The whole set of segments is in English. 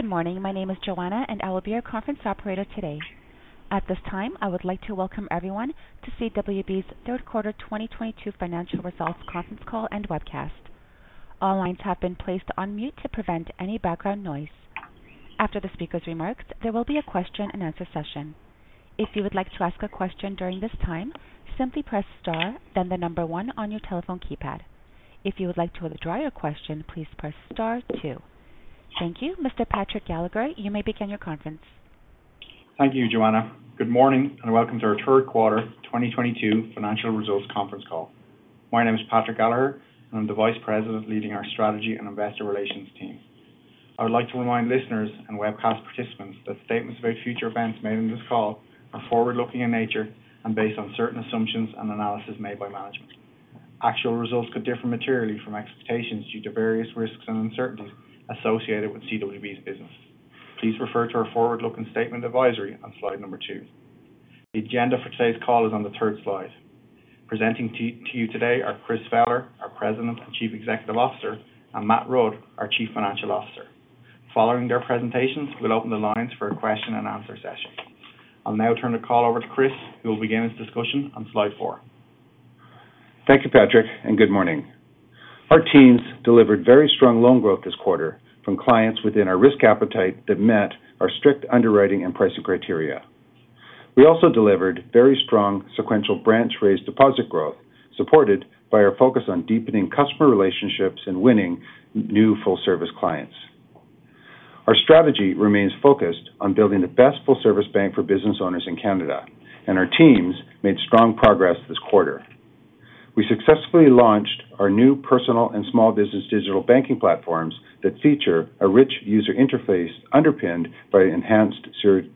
Good morning. My name is Joanna, and I will be your conference operator today. At this time, I would like to welcome everyone to CWB's third quarter 2022 financial results conference call and webcast. All lines have been placed on mute to prevent any background noise. After the speaker's remarks, there will be a question and answer session. If you would like to ask a question during this time, simply press star then the number one on your telephone keypad. If you would like to withdraw your question, please press star two. Thank you. Mr. Patrick Gallagher, you may begin your conference. Thank you, Joanna. Good morning and welcome to our third quarter 2022 financial results conference call. My name is Patrick Gallagher, and I'm the Vice President leading our strategy and investor relations team. I would like to remind listeners and webcast participants that statements about future events made on this call are forward-looking in nature and based on certain assumptions and analysis made by management. Actual results could differ materially from expectations due to various risks and uncertainties associated with CWB's business. Please refer to our forward-looking statement advisory on slide two. The agenda for today's call is on the third slide. Presenting to you today are Chris Fowler, our President and Chief Executive Officer, and Matthew Rudd, our Chief Financial Officer. Following their presentations, we'll open the lines for a question and answer session. I'll now turn the call over to Chris, who will begin his discussion on slide four. Thank you, Patrick, and good morning. Our teams delivered very strong loan growth this quarter from clients within our risk appetite that met our strict underwriting and pricing criteria. We also delivered very strong sequential branch raised deposit growth, supported by our focus on deepening customer relationships and winning new full service clients. Our strategy remains focused on building the best full service bank for business owners in Canada, and our teams made strong progress this quarter. We successfully launched our new personal and small business digital banking platforms that feature a rich user interface underpinned by enhanced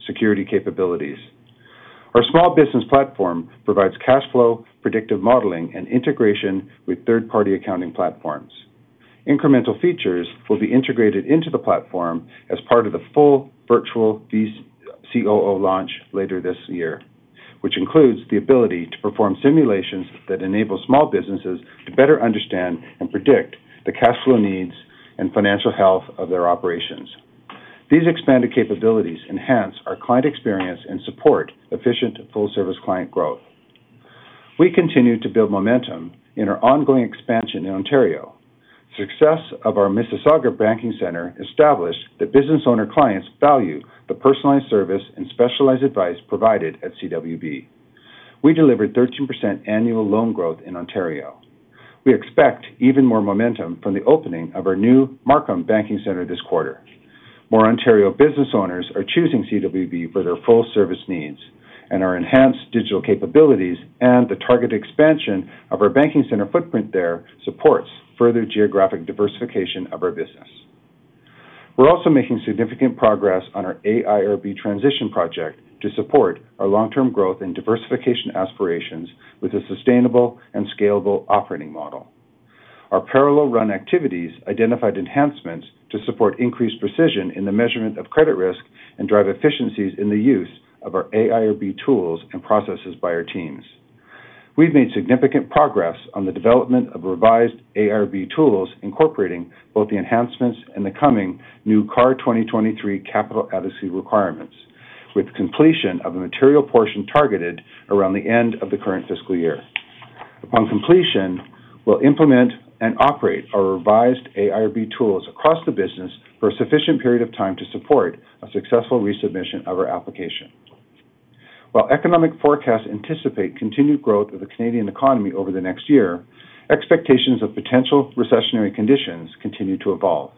security capabilities. Our small business platform provides cash flow, predictive modeling, and integration with third-party accounting platforms. Incremental features will be integrated into the platform as part of the full Virtual COO launch later this year, which includes the ability to perform simulations that enable small businesses to better understand and predict the cash flow needs and financial health of their operations. These expanded capabilities enhance our client experience and support efficient full service client growth. We continue to build momentum in our ongoing expansion in Ontario. Success of our Mississauga banking center established that business owner clients value the personalized service and specialized advice provided at CWB. We delivered 13% annual loan growth in Ontario. We expect even more momentum from the opening of our new Markham banking center this quarter. More Ontario business owners are choosing CWB for their full service needs and our enhanced digital capabilities and the targeted expansion of our banking center footprint there supports further geographic diversification of our business. We're also making significant progress on our AIRB transition project to support our long-term growth and diversification aspirations with a sustainable and scalable operating model. Our parallel run activities identified enhancements to support increased precision in the measurement of credit risk and drive efficiencies in the use of our AIRB tools and processes by our teams. We've made significant progress on the development of revised AIRB tools, incorporating both the enhancements and the coming new CAR 2023 capital adequacy requirements, with completion of a material portion targeted around the end of the current fiscal year. Upon completion, we'll implement and operate our revised AIRB tools across the business for a sufficient period of time to support a successful resubmission of our application. While economic forecasts anticipate continued growth of the Canadian economy over the next year, expectations of potential recessionary conditions continue to evolve.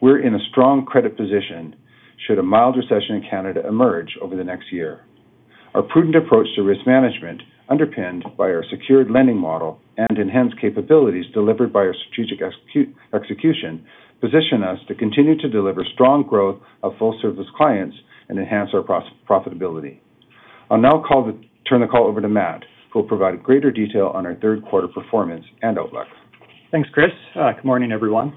We're in a strong credit position should a mild recession in Canada emerge over the next year. Our prudent approach to risk management, underpinned by our secured lending model and enhanced capabilities delivered by our strategic execution, position us to continue to deliver strong growth of full service clients and enhance our profitability. I'll now turn the call over to Matt, who will provide greater detail on our third quarter performance and outlook. Thanks, Chris. Good morning, everyone.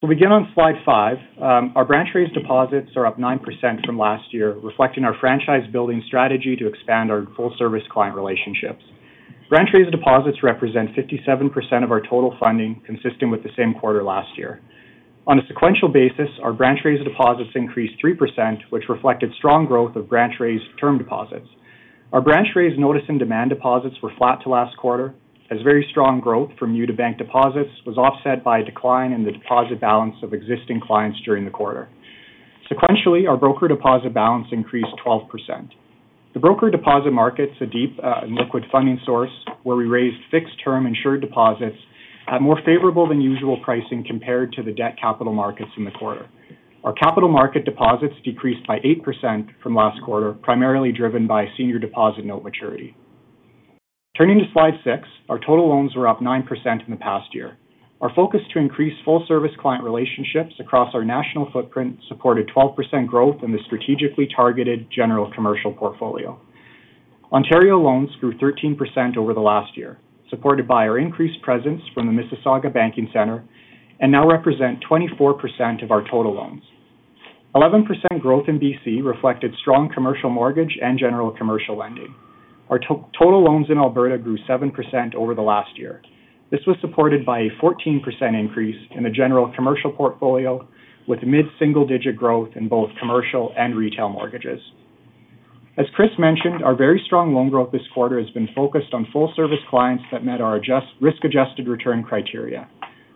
We begin on slide five. Our branch-raised deposits are up 9% from last year, reflecting our franchise building strategy to expand our full-service client relationships. Branch-raised deposits represent 57% of our total funding, consistent with the same quarter last year. On a sequential basis, our branch-raised deposits increased 3%, which reflected strong growth of branch-raised term deposits. Our branch-raised notice and demand deposits were flat to last quarter, as very strong growth from new-to-bank deposits was offset by a decline in the deposit balance of existing clients during the quarter. Sequentially, our broker deposit balance increased 12%. The broker deposit market's a deep, liquid funding source where we raised fixed-term insured deposits at more favorable than usual pricing compared to the debt capital markets in the quarter. Our capital market deposits decreased by 8% from last quarter, primarily driven by senior deposit note maturity. Turning to Slide six. Our total loans were up 9% in the past year. Our focus to increase full service client relationships across our national footprint supported 12% growth in the strategically targeted general commercial portfolio. Ontario loans grew 13% over the last year, supported by our increased presence from the Mississauga banking center and now represent 24% of our total loans. 11% growth in BC reflected strong commercial mortgage and general commercial lending. Our total loans in Alberta grew 7% over the last year. This was supported by a 14% increase in the general commercial portfolio, with mid-single-digit growth in both commercial and retail mortgages. As Chris mentioned, our very strong loan growth this quarter has been focused on full service clients that met our risk-adjusted return criteria.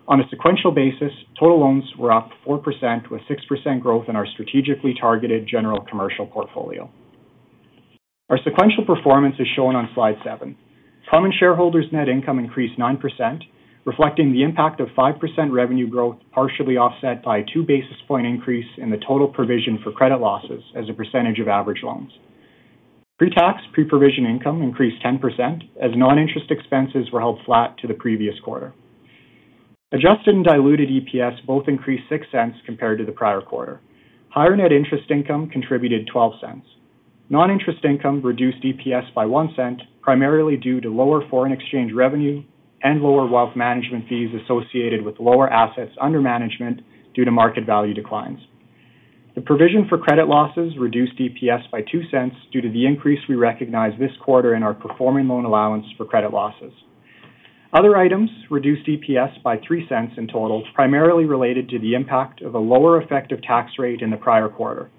On a sequential basis, total loans were up 4%, with 6% growth in our strategically targeted general commercial portfolio. Our sequential performance is shown on slide seven. Common shareholders net income increased 9%, reflecting the impact of 5% revenue growth, partially offset by two basis points increase in the total provision for credit losses as a percentage of average loans. Pre-tax, pre-provision income increased 10%, as non-interest expenses were held flat to the previous quarter. Adjusted and diluted EPS both increased 0.06 compared to the prior quarter. Higher net interest income contributed 0.12. Non-interest income reduced EPS by 0.01, primarily due to lower foreign exchange revenue and lower wealth management fees associated with lower assets under management due to market value declines. The provision for credit losses reduced EPS by 0.02 due to the increase we recognized this quarter in our performing loan allowance for credit losses. Other items reduced EPS by 0.03 in total, primarily related to the impact of a lower effective tax rate in the prior quarter.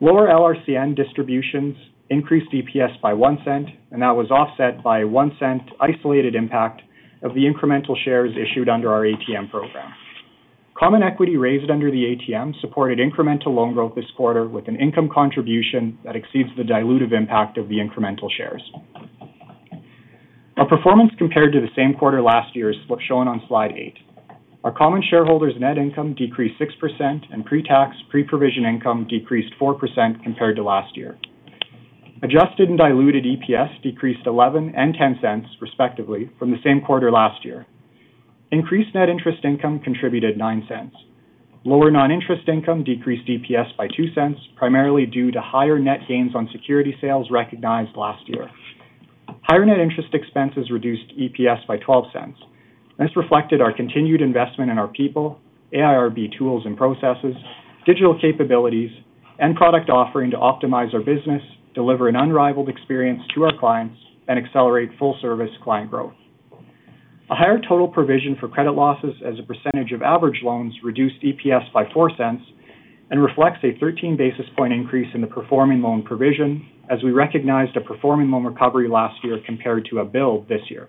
Lower LRCN distributions increased EPS by 0.01, and that was offset by a CAD 0.01 isolated impact of the incremental shares issued under our ATM program. Common equity raised under the ATM supported incremental loan growth this quarter, with an income contribution that exceeds the dilutive impact of the incremental shares. Our performance compared to the same quarter last year is what's shown on slide eight. Our common shareholders net income decreased 6%, and pre-tax, pre-provision income decreased 4% compared to last year. Adjusted and diluted EPS decreased 0.11 and 0.10 respectively from the same quarter last year. Increased net interest income contributed 0.09. Lower non-interest income decreased EPS by 0.02, primarily due to higher net gains on security sales recognized last year. Higher net interest expenses reduced EPS by 0.12, and this reflected our continued investment in our people, AIRB tools and processes, digital capabilities, and product offering to optimize our business, deliver an unrivaled experience to our clients, and accelerate full service client growth. A higher total provision for credit losses as a percentage of average loans reduced EPS by 0.04 and reflects a 13 basis points increase in the performing loan provision, as we recognized a performing loan recovery last year compared to a build this year.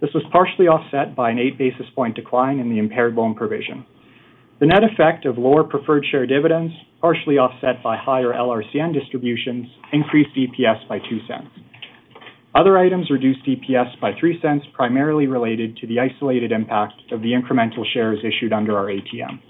This was partially offset by an eight basis points decline in the impaired loan provision. The net effect of lower preferred share dividends, partially offset by higher LRCN distributions, increased EPS by 0.02. Other items reduced EPS by 0.03, primarily related to the isolated impact of the incremental shares issued under our ATM.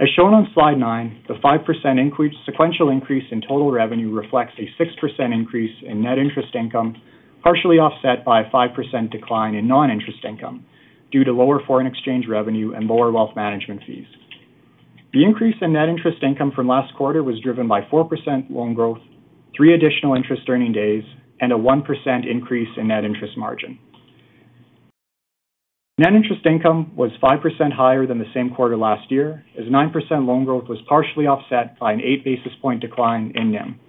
As shown on slide nine, the 5% sequential increase in total revenue reflects a 6% increase in net interest income, partially offset by a 5% decline in non-interest income due to lower foreign exchange revenue and lower wealth management fees. The increase in net interest income from last quarter was driven by 4% loan growth, three additional interest earning days, and a 1% increase in net interest margin. Net interest income was 5% higher than the same quarter last year, as 9% loan growth was partially offset by an 8 basis point decline in NIM.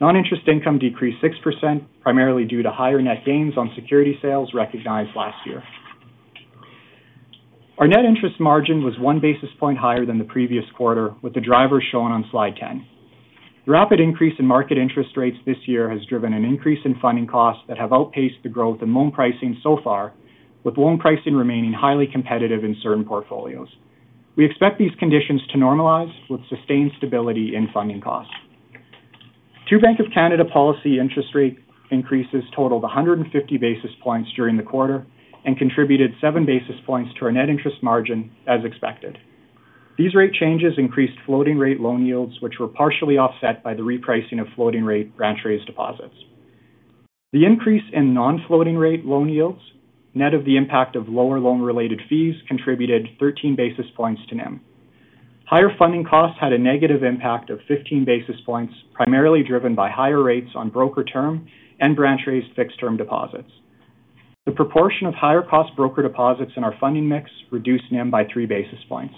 Non-interest income decreased 6%, primarily due to higher net gains on security sales recognized last year. Our net interest margin was one basis point higher than the previous quarter, with the drivers shown on slide 10. The rapid increase in market interest rates this year has driven an increase in funding costs that have outpaced the growth in loan pricing so far, with loan pricing remaining highly competitive in certain portfolios. We expect these conditions to normalize with sustained stability in funding costs. Two Bank of Canada policy interest rate increases totaled 150 basis points during the quarter and contributed seven basis points to our net interest margin as expected. These rate changes increased floating rate loan yields, which were partially offset by the repricing of floating rate branch raised deposits. The increase in non-floating rate loan yields, net of the impact of lower loan-related fees, contributed 13 basis points to NIM. Higher funding costs had a negative impact of 15 basis points, primarily driven by higher rates on broker term and branch-raised fixed term deposits. The proportion of higher cost broker deposits in our funding mix reduced NIM by three basis points.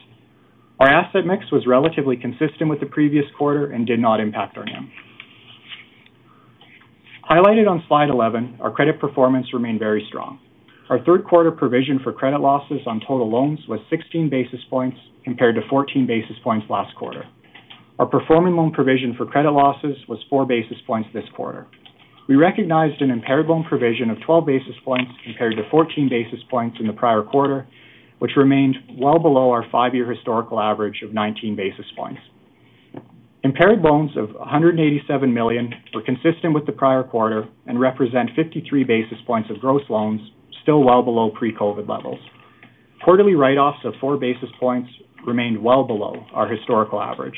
Our asset mix was relatively consistent with the previous quarter and did not impact our NIM. Highlighted on slide 11, our credit performance remained very strong. Our third quarter provision for credit losses on total loans was 16 basis points compared to 14 basis points last quarter. Our performing loan provision for credit losses was four basis points this quarter. We recognized an impaired loan provision of 12 basis points compared to 14 basis points in the prior quarter, which remained well below our five-year historical average of 19 basis points. Impaired loans of 187 million were consistent with the prior quarter and represent 53 basis points of gross loans, still well below pre-COVID levels. Quarterly write-offs of four basis points remained well below our historical average.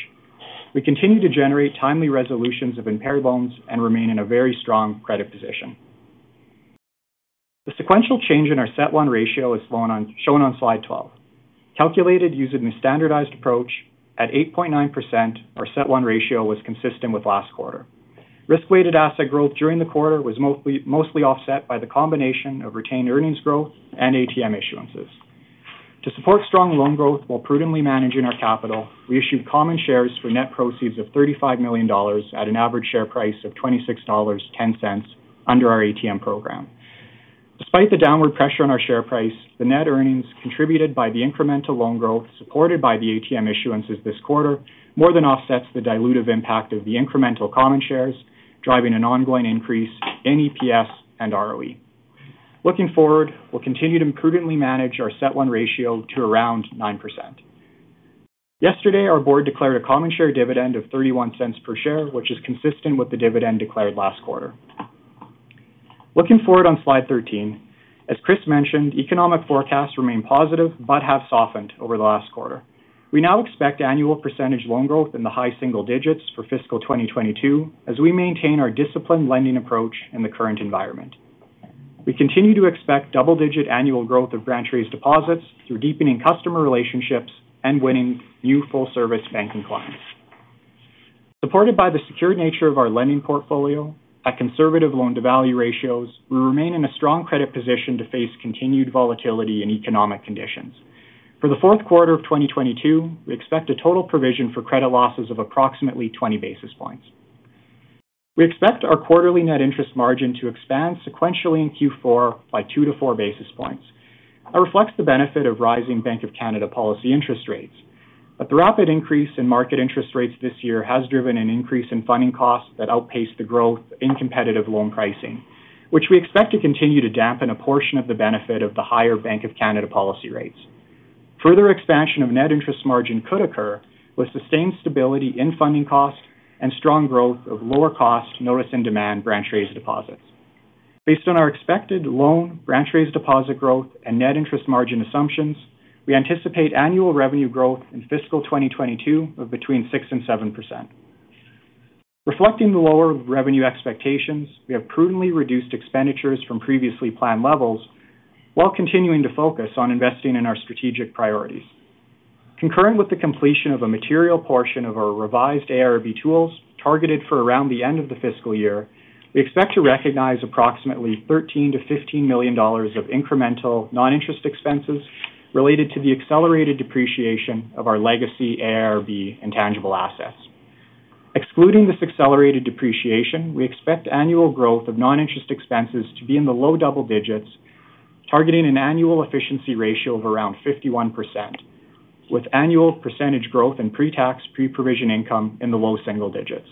We continue to generate timely resolutions of impaired loans and remain in a very strong credit position. The sequential change in our CET1 ratio is shown on slide 12. Calculated using the standardized approach at 8.9%, our CET1 ratio was consistent with last quarter. Risk-weighted asset growth during the quarter was mostly offset by the combination of retained earnings growth and ATM issuances. To support strong loan growth while prudently managing our capital, we issued common shares for net proceeds of 35 million dollars at an average share price of 26.10 dollars under our ATM program. Despite the downward pressure on our share price, the net earnings contributed by the incremental loan growth supported by the ATM issuances this quarter more than offsets the dilutive impact of the incremental common shares, driving an ongoing increase in EPS and ROE. Looking forward, we'll continue to prudently manage our CET1 ratio to around 9%. Yesterday, our board declared a common share dividend of 0.31 per share, which is consistent with the dividend declared last quarter. Looking forward on slide 13. As Chris mentioned, economic forecasts remain positive but have softened over the last quarter. We now expect annual percentage loan growth in the high single digits for fiscal 2022 as we maintain our disciplined lending approach in the current environment. We continue to expect double-digit annual growth of branch raised deposits through deepening customer relationships and winning new full service banking clients. Supported by the secure nature of our lending portfolio at conservative loan to value ratios, we remain in a strong credit position to face continued volatility in economic conditions. For the fourth quarter of 2022, we expect a total provision for credit losses of approximately 20 basis points. We expect our quarterly net interest margin to expand sequentially in Q4 by 2-4 basis points. That reflects the benefit of rising Bank of Canada policy interest rates. A rapid increase in market interest rates this year has driven an increase in funding costs that outpace the growth in competitive loan pricing, which we expect to continue to dampen a portion of the benefit of the higher Bank of Canada policy rates. Further expansion of net interest margin could occur with sustained stability in funding costs and strong growth of lower cost notice and demand branch raised deposits. Based on our expected loan, branch raised deposit growth and net interest margin assumptions, we anticipate annual revenue growth in fiscal 2022 of between 6%-7%. Reflecting the lower revenue expectations, we have prudently reduced expenditures from previously planned levels while continuing to focus on investing in our strategic priorities. Concurrent with the completion of a material portion of our revised AIRB tools targeted for around the end of the fiscal year, we expect to recognize approximately 13 million-15 million dollars of incremental non-interest expenses related to the accelerated depreciation of our legacy AIRB intangible assets. Excluding this accelerated depreciation, we expect annual growth of non-interest expenses to be in the low double digits, targeting an annual efficiency ratio of around 51%, with annual percentage growth in pre-tax, pre-provision income in the low single digits.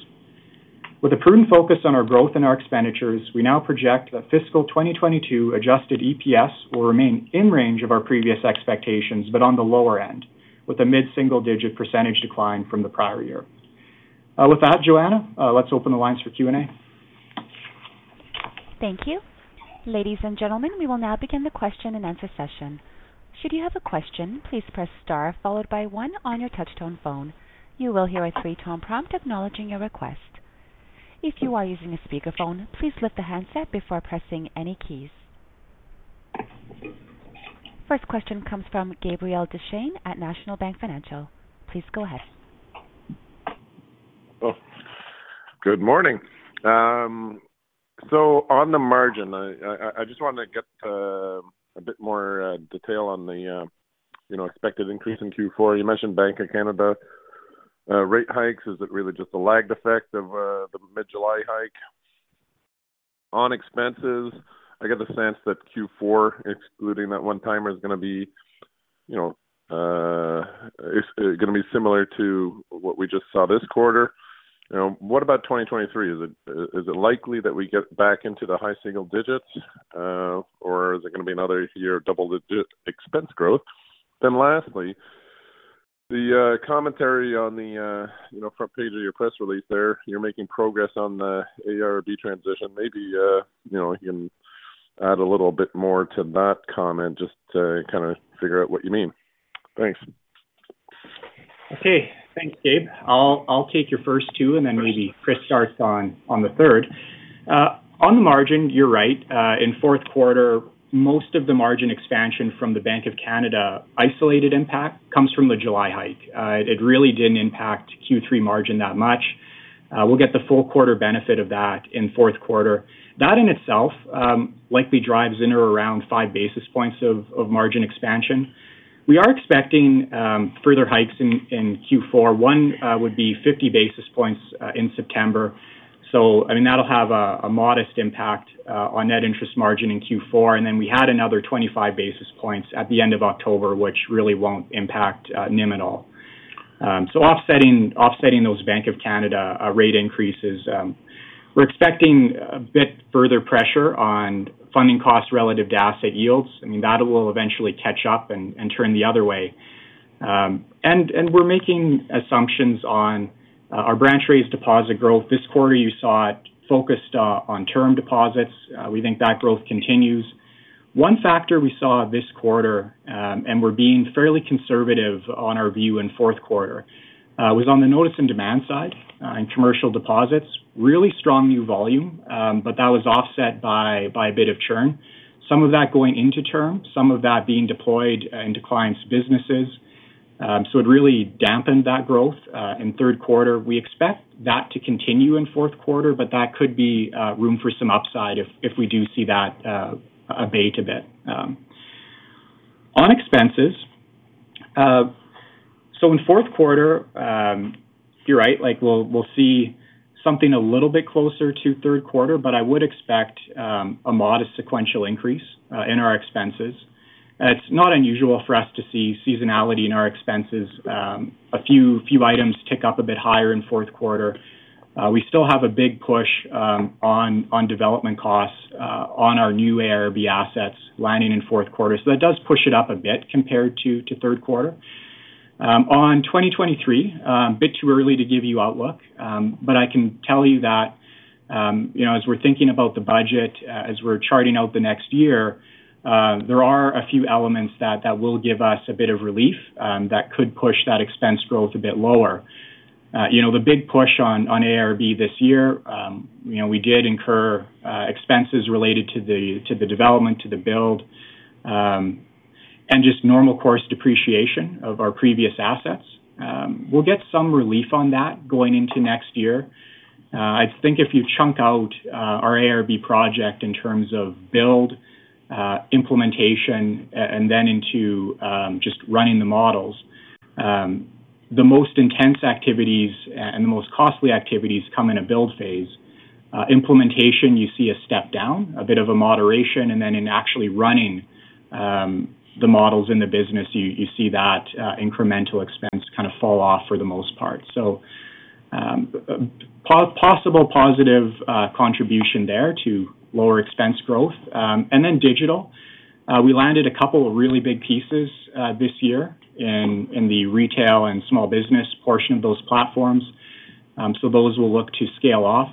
With a prudent focus on our growth and our expenditures, we now project that fiscal 2022 adjusted EPS will remain in range of our previous expectations, but on the lower end, with a mid-single-digit percentage decline from the prior year. With that, Joanna, let's open the lines for Q&A. Thank you. Ladies and gentlemen, we will now begin the question and answer session. Should you have a question, please press star followed by one on your touchtone phone. You will hear a three-tone prompt acknowledging your request. If you are using a speakerphone, please lift the handset before pressing any keys. First question comes from Gabriel Dechaine at National Bank Financial. Please go ahead. Oh, good morning. So on the margin, I just wanted to get a bit more detail on the expected increase in Q4. You mentioned Bank of Canada rate hikes. Is it really just a lagged effect of the mid-July hike? On expenses, I get the sense that Q4, excluding that one-timer, is gonna be similar to what we just saw this quarter. You know, what about 2023? Is it likely that we get back into the high single digits, or is it gonna be another year of double-digit expense growth? Lastly, the commentary on the front page of your press release there, you're making progress on the AIRB transition. Maybe, you know, you can add a little bit more to that comment just to kinda figure out what you mean. Thanks. Okay, thanks, Gabe. I'll take your first two, and then maybe Chris starts on the third. On the margin, you're right. In fourth quarter, most of the margin expansion from the Bank of Canada isolated impact comes from the July hike. It really didn't impact Q3 margin that much. We'll get the full quarter benefit of that in fourth quarter. That in itself likely drives in or around five basis points of margin expansion. We are expecting further hikes in Q4. One would be 50 basis points in September. I mean, that'll have a modest impact on net interest margin in Q4. Then we had another 25 basis points at the end of October, which really won't impact NIM at all. Offsetting those Bank of Canada rate increases, we're expecting a bit further pressure on funding costs relative to asset yields. I mean, that will eventually catch up and turn the other way. We're making assumptions on our branch-raised deposit growth. This quarter you saw it focused on term deposits. We think that growth continues. One factor we saw this quarter and we're being fairly conservative on our view in fourth quarter was on the notice and demand side in commercial deposits, really strong new volume, but that was offset by a bit of churn. Some of that going into term, some of that being deployed into clients' businesses. It really dampened that growth in third quarter. We expect that to continue in fourth quarter, but that could be room for some upside if we do see that abate a bit. On expenses, so in fourth quarter, you're right, like we'll see something a little bit closer to third quarter, but I would expect a modest sequential increase in our expenses. It's not unusual for us to see seasonality in our expenses. A few items tick up a bit higher in fourth quarter. We still have a big push on development costs on our new AIRB assets landing in fourth quarter. That does push it up a bit compared to third quarter. On 2023, a bit too early to give you outlook. I can tell you that, you know, as we're thinking about the budget, as we're charting out the next year, there are a few elements that will give us a bit of relief, that could push that expense growth a bit lower. You know, the big push on AIRB this year, you know, we did incur expenses related to the development, to the build, and just normal course depreciation of our previous assets. We'll get some relief on that going into next year. I think if you chunk out our AIRB project in terms of build, implementation and then into just running the models, the most intense activities and the most costly activities come in a build phase. Implementation, you see a step down, a bit of a moderation, and then in actually running the models in the business, you see that incremental expense kind of fall off for the most part. Possible positive contribution there to lower expense growth. Digital. We landed a couple of really big pieces this year in the retail and small business portion of those platforms. Those will look to scale off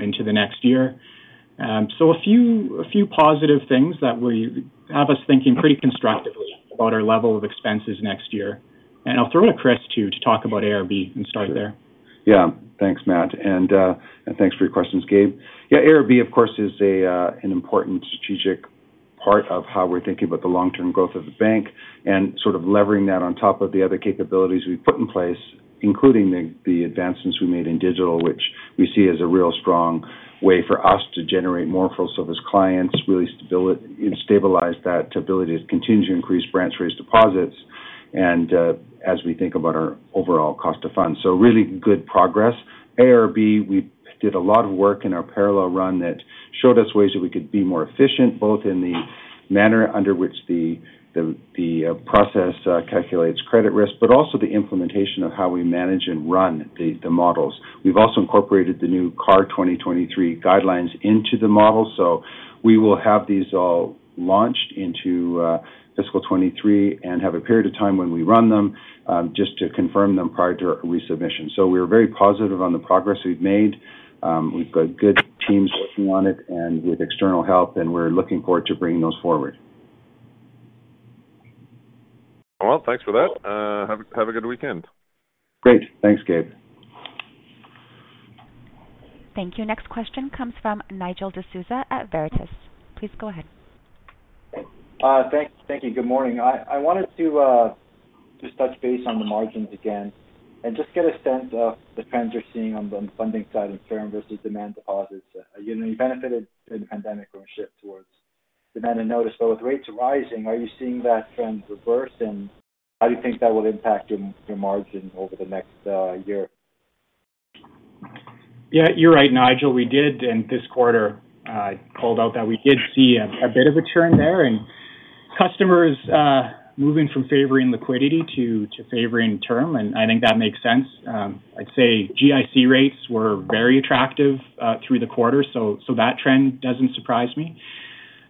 into the next year. A few positive things that have us thinking pretty constructively about our level of expenses next year. I'll throw to Chris too to talk about AIRB and start there. Yeah. Thanks, Matt. Thanks for your questions, Gabe. Yeah, AIRB, of course, is an important strategic part of how we're thinking about the long-term growth of the bank and sort of levering that on top of the other capabilities we've put in place, including the advancements we made in digital, which we see as a real strong way for us to generate more full service clients, really stabilize that ability to continue to increase branch raised deposits and as we think about our overall cost of funds. Really good progress. AIRB, we did a lot of work in our parallel run that showed us ways that we could be more efficient, both in the manner under which the process calculates credit risk, but also the implementation of how we manage and run the models. We've also incorporated the new CAR 2023 guidelines into the model. We will have these all launched into fiscal 2023 and have a period of time when we run them just to confirm them prior to resubmission. We're very positive on the progress we've made. We've got good teams working on it and with external help, and we're looking forward to bringing those forward. Well, thanks for that. Have a good weekend. Great. Thanks, Gabe. Thank you. Next question comes from Nigel D'Souza at Veritas. Please go ahead. Thank you. Good morning. I wanted to just touch base on the margins again and just get a sense of the trends you're seeing on the funding side of term versus demand deposits. You know, you benefited in the pandemic from a shift towards demand and notice. With rates rising, are you seeing that trend reverse, and how do you think that will impact your margins over the next year? Yeah, you're right, Nigel. We did in this quarter called out that we did see a bit of a turn there and customers moving from favoring liquidity to favoring term, and I think that makes sense. I'd say GIC rates were very attractive through the quarter, so that trend doesn't surprise me.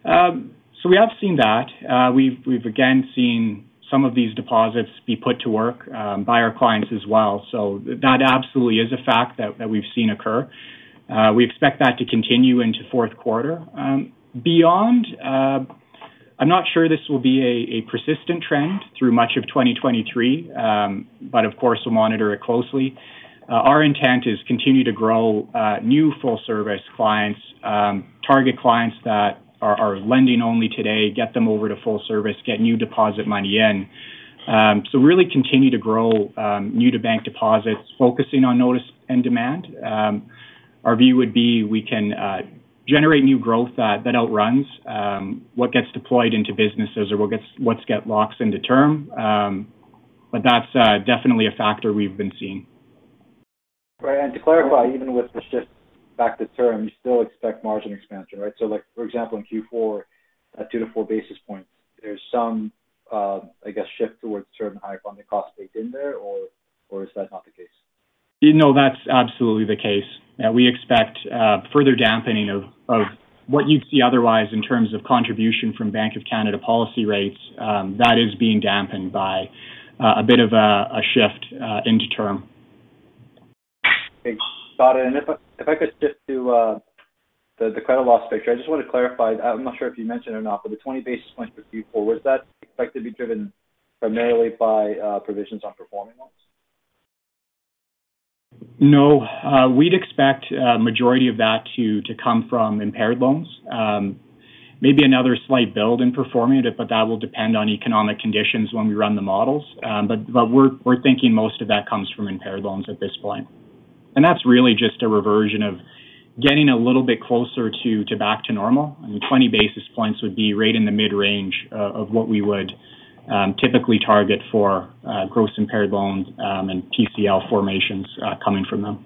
So we have seen that. We've again seen some of these deposits be put to work by our clients as well. So that absolutely is a fact that we've seen occur. We expect that to continue into fourth quarter. Beyond, I'm not sure this will be a persistent trend through much of 2023, but of course, we'll monitor it closely. Our intent is continue to grow new full service clients, target clients that are lending only today, get them over to full service, get new deposit money in. Really continue to grow new to bank deposits, focusing on notice and demand. Our view would be we can generate new growth that outruns what gets deployed into businesses or what gets locked into term. That's definitely a factor we've been seeing. Right. To clarify, even with the shift back to term, you still expect margin expansion, right? Like for example, in Q4, at 2-4 basis points, there's some, I guess, shift towards term higher funding costs baked in there, or is that not the case? No, that's absolutely the case. Yeah, we expect further dampening of what you'd see otherwise in terms of contribution from Bank of Canada policy rates, that is being dampened by a bit of a shift into term. Got it. If I could shift to the credit loss picture. I'm not sure if you mentioned it or not, but 20 basis points for Q4, was that expected to be driven primarily by provisions on performing loans? No. We'd expect a majority of that to come from impaired loans. Maybe another slight build in provision, but that will depend on economic conditions when we run the models. We're thinking most of that comes from impaired loans at this point. That's really just a reversion of getting a little bit closer to back to normal. I mean, 20 basis points would be right in the mid-range of what we would typically target for gross impaired loans and GIL formations coming from them.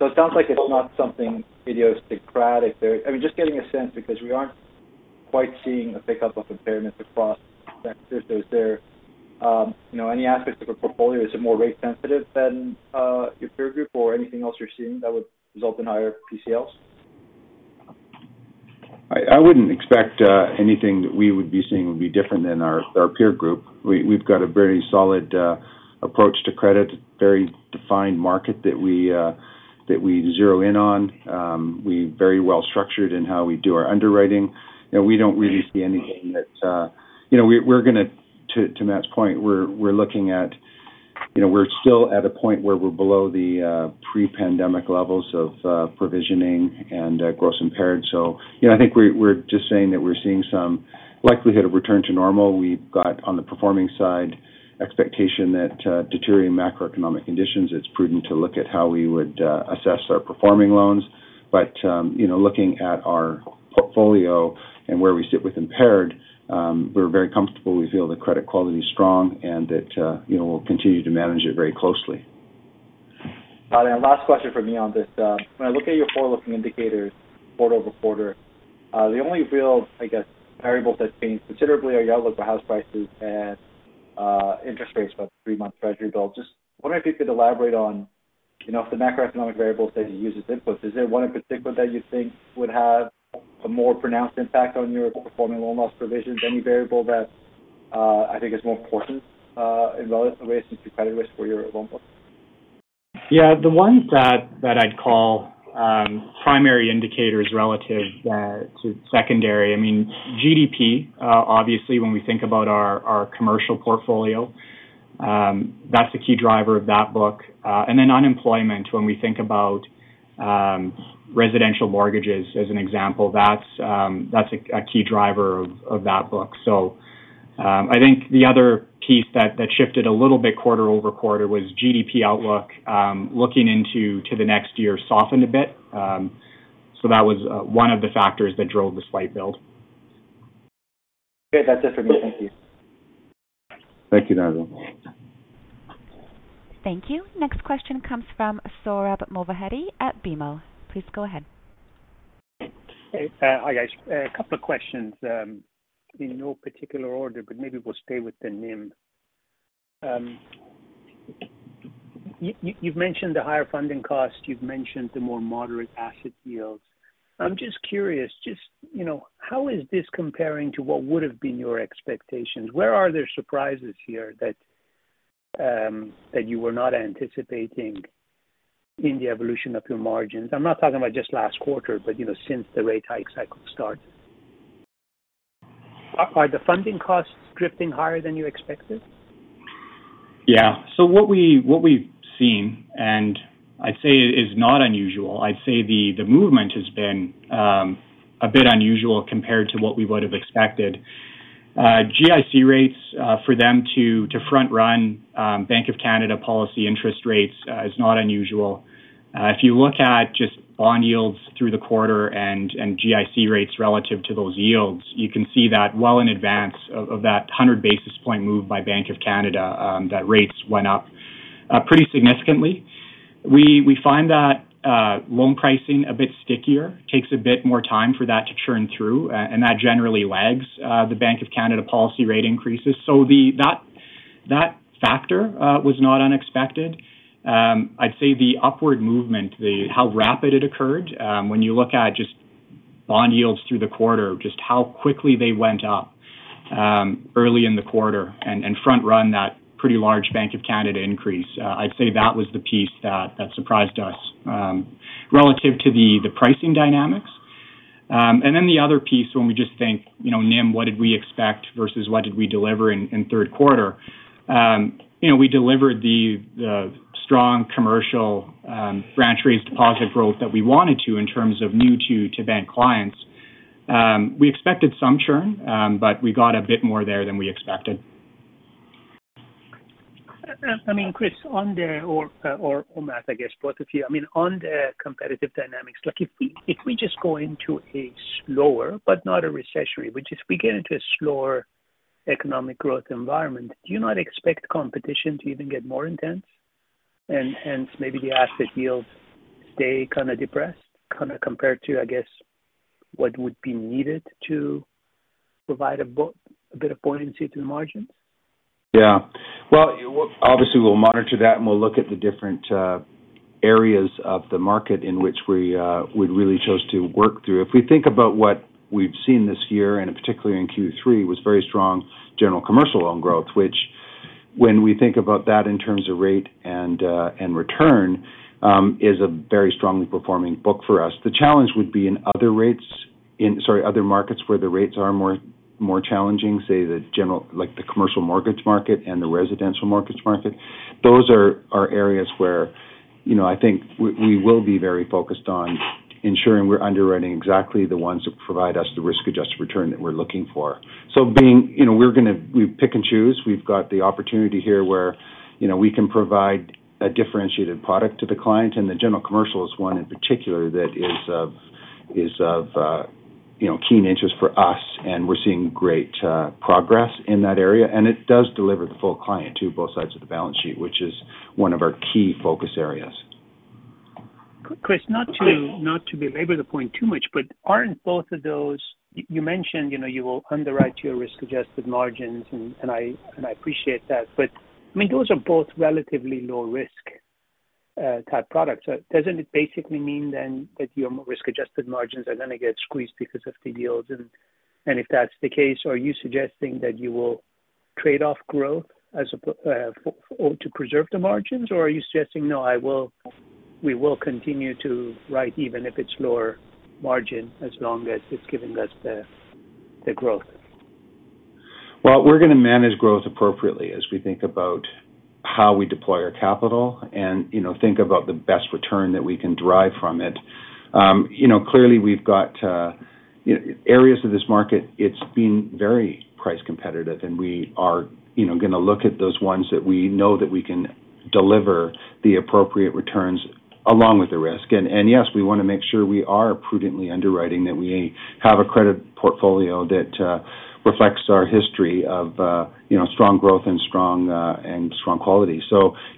It sounds like it's not something idiosyncratic there. I mean, just getting a sense because we aren't quite seeing a pickup of impairments across sectors. Is there, you know, any aspects of a portfolio, is it more rate sensitive than, your peer group or anything else you're seeing that would result in higher PCLs? I wouldn't expect anything that we would be seeing would be different than our peer group. We've got a very solid approach to credit, very defined market that we zero in on. We're very well structured in how we do our underwriting. You know, we don't really see anything that. You know, to Matt's point, we're looking at, you know, we're still at a point where we're below the pre-pandemic levels of provisioning and gross impaired. You know, I think we're just saying that we're seeing some likelihood of return to normal. We've got, on the performing side, expectation that deteriorating macroeconomic conditions, it's prudent to look at how we would assess our performing loans. You know, looking at our portfolio and where we sit with impaired, we're very comfortable. We feel the credit quality is strong and that, you know, we'll continue to manage it very closely. Last question for me on this. When I look at your forward-looking indicators quarter over quarter, the only real, I guess, variables that's changed considerably are your outlook for house prices and interest rates for the three-month treasury bill. Just wondering if you could elaborate on, you know, if the macroeconomic variables that you use as inputs, is there one in particular that you think would have a more pronounced impact on your performing loan loss provisions? Any variable that, I think is more important, in relative risk and credit risk for your loan book? Yeah. The ones that I'd call primary indicators relative to secondary, I mean, GDP, obviously, when we think about our commercial portfolio, that's the key driver of that book. Then unemployment, when we think about residential mortgages as an example, that's a key driver of that book. I think the other piece that shifted a little bit quarter-over-quarter was GDP outlook looking into the next year softened a bit. That was one of the factors that drove the slight build. Okay. That's it for me. Thank you. Thank you, Nigel. Thank you. Next question comes from Sohrab Movahedi at BMO. Please go ahead. Hey. Hi, guys. A couple of questions in no particular order, but maybe we'll stay with the NIM. You've mentioned the higher funding costs, you've mentioned the more moderate asset yields. I'm just curious, just you know, how is this comparing to what would have been your expectations? Where are there surprises here that you were not anticipating in the evolution of your margins? I'm not talking about just last quarter, but you know, since the rate hike cycle started. Are the funding costs drifting higher than you expected? Yeah. What we've seen is not unusual. The movement has been a bit unusual compared to what we would have expected. GIC rates for them to front-run Bank of Canada policy interest rates is not unusual. If you look at just bond yields through the quarter and GIC rates relative to those yields, you can see that well in advance of that 100 basis point move by Bank of Canada, that rates went up pretty significantly. We find that loan pricing a bit stickier, takes a bit more time for that to churn through, and that generally lags the Bank of Canada policy rate increases. That factor was not unexpected. I'd say the upward movement, the how rapid it occurred, when you look at just bond yields through the quarter, just how quickly they went up early in the quarter and front-run that pretty large Bank of Canada increase. I'd say that was the piece that surprised us relative to the pricing dynamics. The other piece when we just think, you know, NIM, what did we expect versus what did we deliver in third quarter. You know, we delivered the strong commercial branch-raised deposit growth that we wanted to in terms of new to bank clients. We expected some churn, but we got a bit more there than we expected. I mean, Chris, or Matt, I guess, both of you. I mean, on the competitive dynamics, like if we just go into a slower, but not a recession, we just get into a slower economic growth environment, do you not expect competition to even get more intense and hence maybe the asset yields stay kind of depressed, kind of compared to, I guess, what would be needed to provide a bit of buoyancy to the margins? Yeah. Well, obviously, we'll monitor that, and we'll look at the different areas of the market in which we would really choose to work through. If we think about what we've seen this year, and particularly in Q3, was very strong general commercial loan growth, which when we think about that in terms of rate and return, is a very strongly performing book for us. The challenge would be in other markets where the rates are more challenging, say the general, like the commercial mortgage market and the residential mortgage market. Those are areas where, you know, I think we will be very focused on ensuring we're underwriting exactly the ones that provide us the risk-adjusted return that we're looking for. We pick and choose. We've got the opportunity here where, you know, we can provide a differentiated product to the client, and the general commercial is one in particular that is of, you know, keen interest for us, and we're seeing great progress in that area. It does deliver the full client to both sides of the balance sheet, which is one of our key focus areas. Chris, not to belabor the point too much, but aren't both of those? You mentioned, you know, you will underwrite your risk-adjusted margins, and I appreciate that, but I mean, those are both relatively low risk type products. So doesn't it basically mean then that your risk-adjusted margins are gonna get squeezed because of the yields? And if that's the case, are you suggesting that you will trade off growth or to preserve the margins? Or are you suggesting, no, we will continue to write even if it's lower margin as long as it's giving us the growth? Well, we're gonna manage growth appropriately as we think about how we deploy our capital and, you know, think about the best return that we can derive from it. You know, clearly we've got areas of this market, it's been very price competitive, and we are, you know, gonna look at those ones that we know that we can deliver the appropriate returns along with the risk. Yes, we wanna make sure we are prudently underwriting, that we have a credit portfolio that reflects our history of, you know, strong growth and strong quality.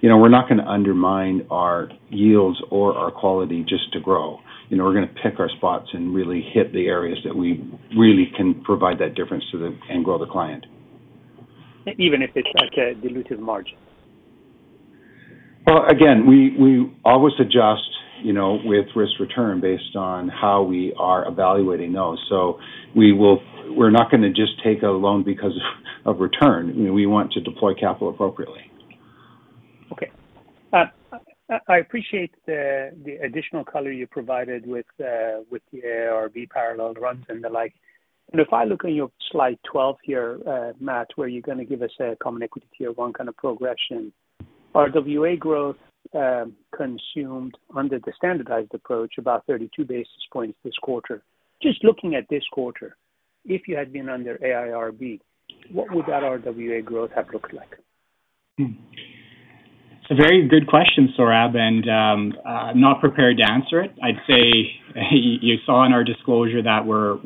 You know, we're not gonna undermine our yields or our quality just to grow. You know, we're gonna pick our spots and really hit the areas that we really can provide that difference to the and grow the client. Even if it's like a dilutive margin? Well, again, we always adjust, you know, with risk return based on how we are evaluating those. We're not gonna just take a loan because of return. You know, we want to deploy capital appropriately. Okay. I appreciate the additional color you provided with the AIRB parallel runs and the like. If I look on your slide 12 here, Matt, where you're gonna give us a common equity tier one kind of progression. RWA growth consumed under the standardized approach about 32 basis points this quarter. Just looking at this quarter, if you had been under AIRB, what would that RWA growth have looked like? It's a very good question, Sohrab, and I'm not prepared to answer it. I'd say you saw in our disclosure that we're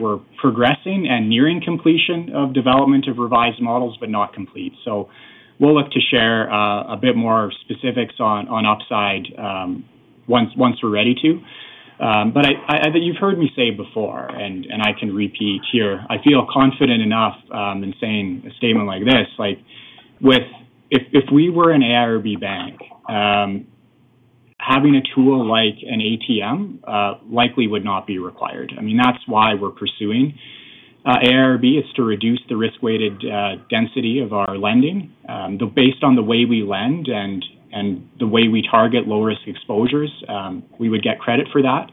progressing and nearing completion of development of revised models, but not complete. We'll look to share a bit more specifics on upside once we're ready to. I think you've heard me say before, and I can repeat here, I feel confident enough in saying a statement like this, like if we were an AIRB bank, having a tool like an ATM likely would not be required. I mean, that's why we're pursuing AIRB. It's to reduce the risk-weighted density of our lending. Based on the way we lend and the way we target low-risk exposures, we would get credit for that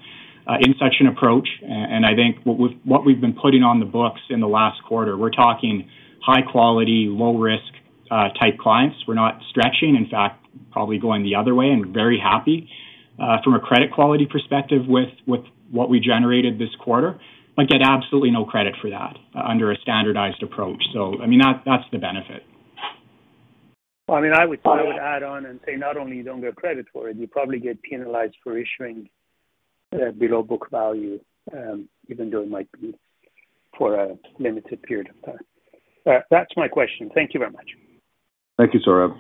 in such an approach. I think what we've been putting on the books in the last quarter, we're talking high quality, low risk type clients. We're not stretching, in fact, probably going the other way and very happy from a credit quality perspective with what we generated this quarter, but get absolutely no credit for that under a standardized approach. I mean, that's the benefit. I mean, I would add on and say not only you don't get credit for it, you probably get penalized for issuing below book value, even though it might be for a limited period of time. That's my question. Thank you very much. Thank you, Sohrab.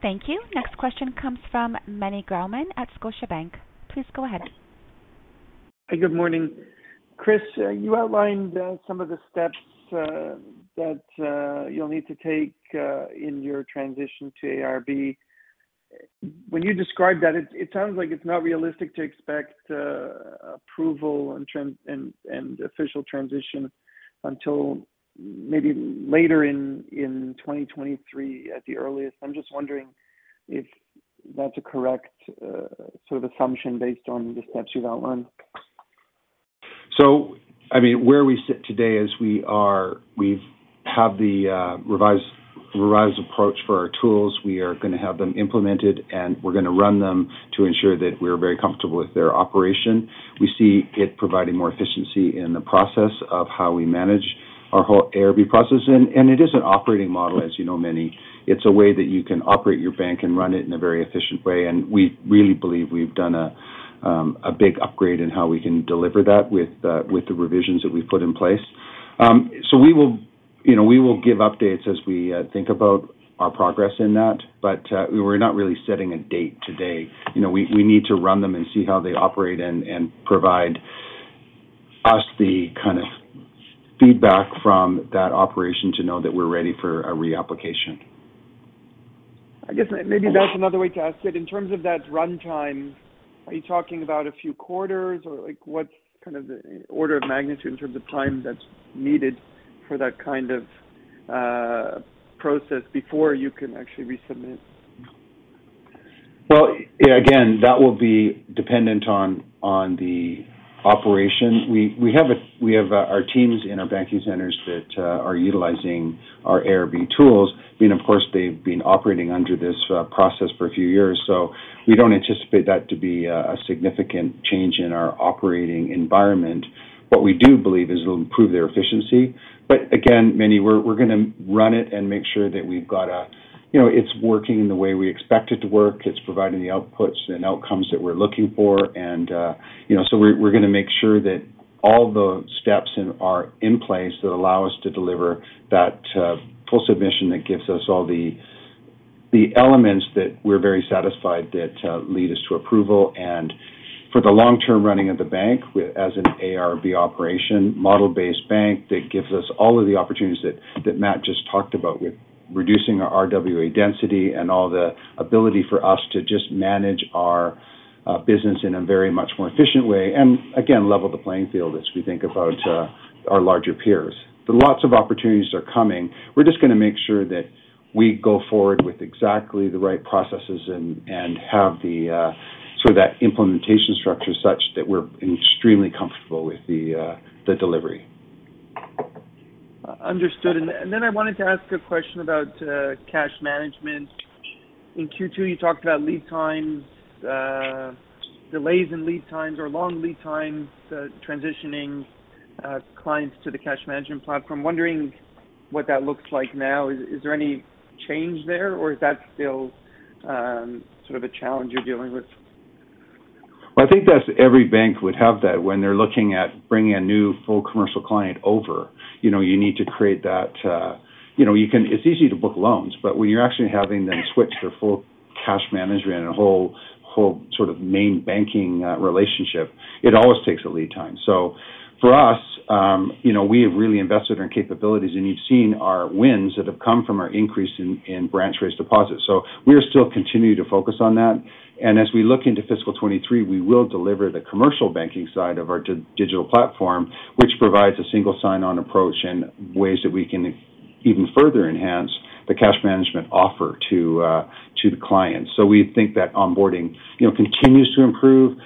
Thank you. Next question comes from Meny Grauman at Scotiabank. Please go ahead. Good morning. Chris, you outlined some of the steps that you'll need to take in your transition to AIRB. When you describe that, it sounds like it's not realistic to expect approval and official transition until maybe later in 2023 at the earliest. I'm just wondering if that's a correct sort of assumption based on the steps you've outlined? I mean, where we sit today is we've had the revised approach for our tools. We are gonna have them implemented, and we're gonna run them to ensure that we're very comfortable with their operation. We see it providing more efficiency in the process of how we manage our whole AIRB process. It is an operating model, as you know, Meny. It's a way that you can operate your bank and run it in a very efficient way. We really believe we've done a big upgrade in how we can deliver that with the revisions that we've put in place. We will, you know, give updates as we think about our progress in that. We're not really setting a date today. You know, we need to run them and see how they operate and provide us the kind of feedback from that operation to know that we're ready for a reapplication. I guess maybe that's another way to ask it. In terms of that runtime, are you talking about a few quarters or like what's kind of the order of magnitude in terms of time that's needed? For that kind of process before you can actually resubmit. Well, again, that will be dependent on the operation. We have our teams in our banking centers that are utilizing our AIRB tools. I mean, of course, they've been operating under this process for a few years, so we don't anticipate that to be a significant change in our operating environment. What we do believe is it'll improve their efficiency. Again, Manny, we're gonna run it and make sure that we've got it working the way we expect it to work. It's providing the outputs and outcomes that we're looking for. You know, we're gonna make sure that all the steps are in place that allow us to deliver that full submission that gives us all the elements that we're very satisfied lead us to approval. For the long term running of the bank as an AIRB operation model-based bank, that gives us all of the opportunities that Matt just talked about with reducing our RWA density and all the ability for us to just manage our business in a very much more efficient way, and again, level the playing field as we think about our larger peers. Lots of opportunities are coming. We're just gonna make sure that we go forward with exactly the right processes and have the sort of that implementation structure such that we're extremely comfortable with the delivery. Understood. I wanted to ask a question about cash management. In Q2, you talked about lead times, delays in lead times or long lead times, transitioning clients to the cash management platform. Wondering what that looks like now. Is there any change there, or is that still sort of a challenge you're dealing with? Well, I think that's every bank would have that when they're looking at bringing a new full commercial client over. You know, you need to create that. You know, it's easy to book loans, but when you're actually having them switch to full cash management and a whole sort of main banking relationship, it always takes a lead time. For us, you know, we have really invested in capabilities, and you've seen our wins that have come from our increase in branch-raised deposits. We are still continuing to focus on that. As we look into fiscal 2023, we will deliver the commercial banking side of our digital platform, which provides a single sign-on approach and ways that we can even further enhance the cash management offer to the clients. We think that onboarding, you know, continues to improve.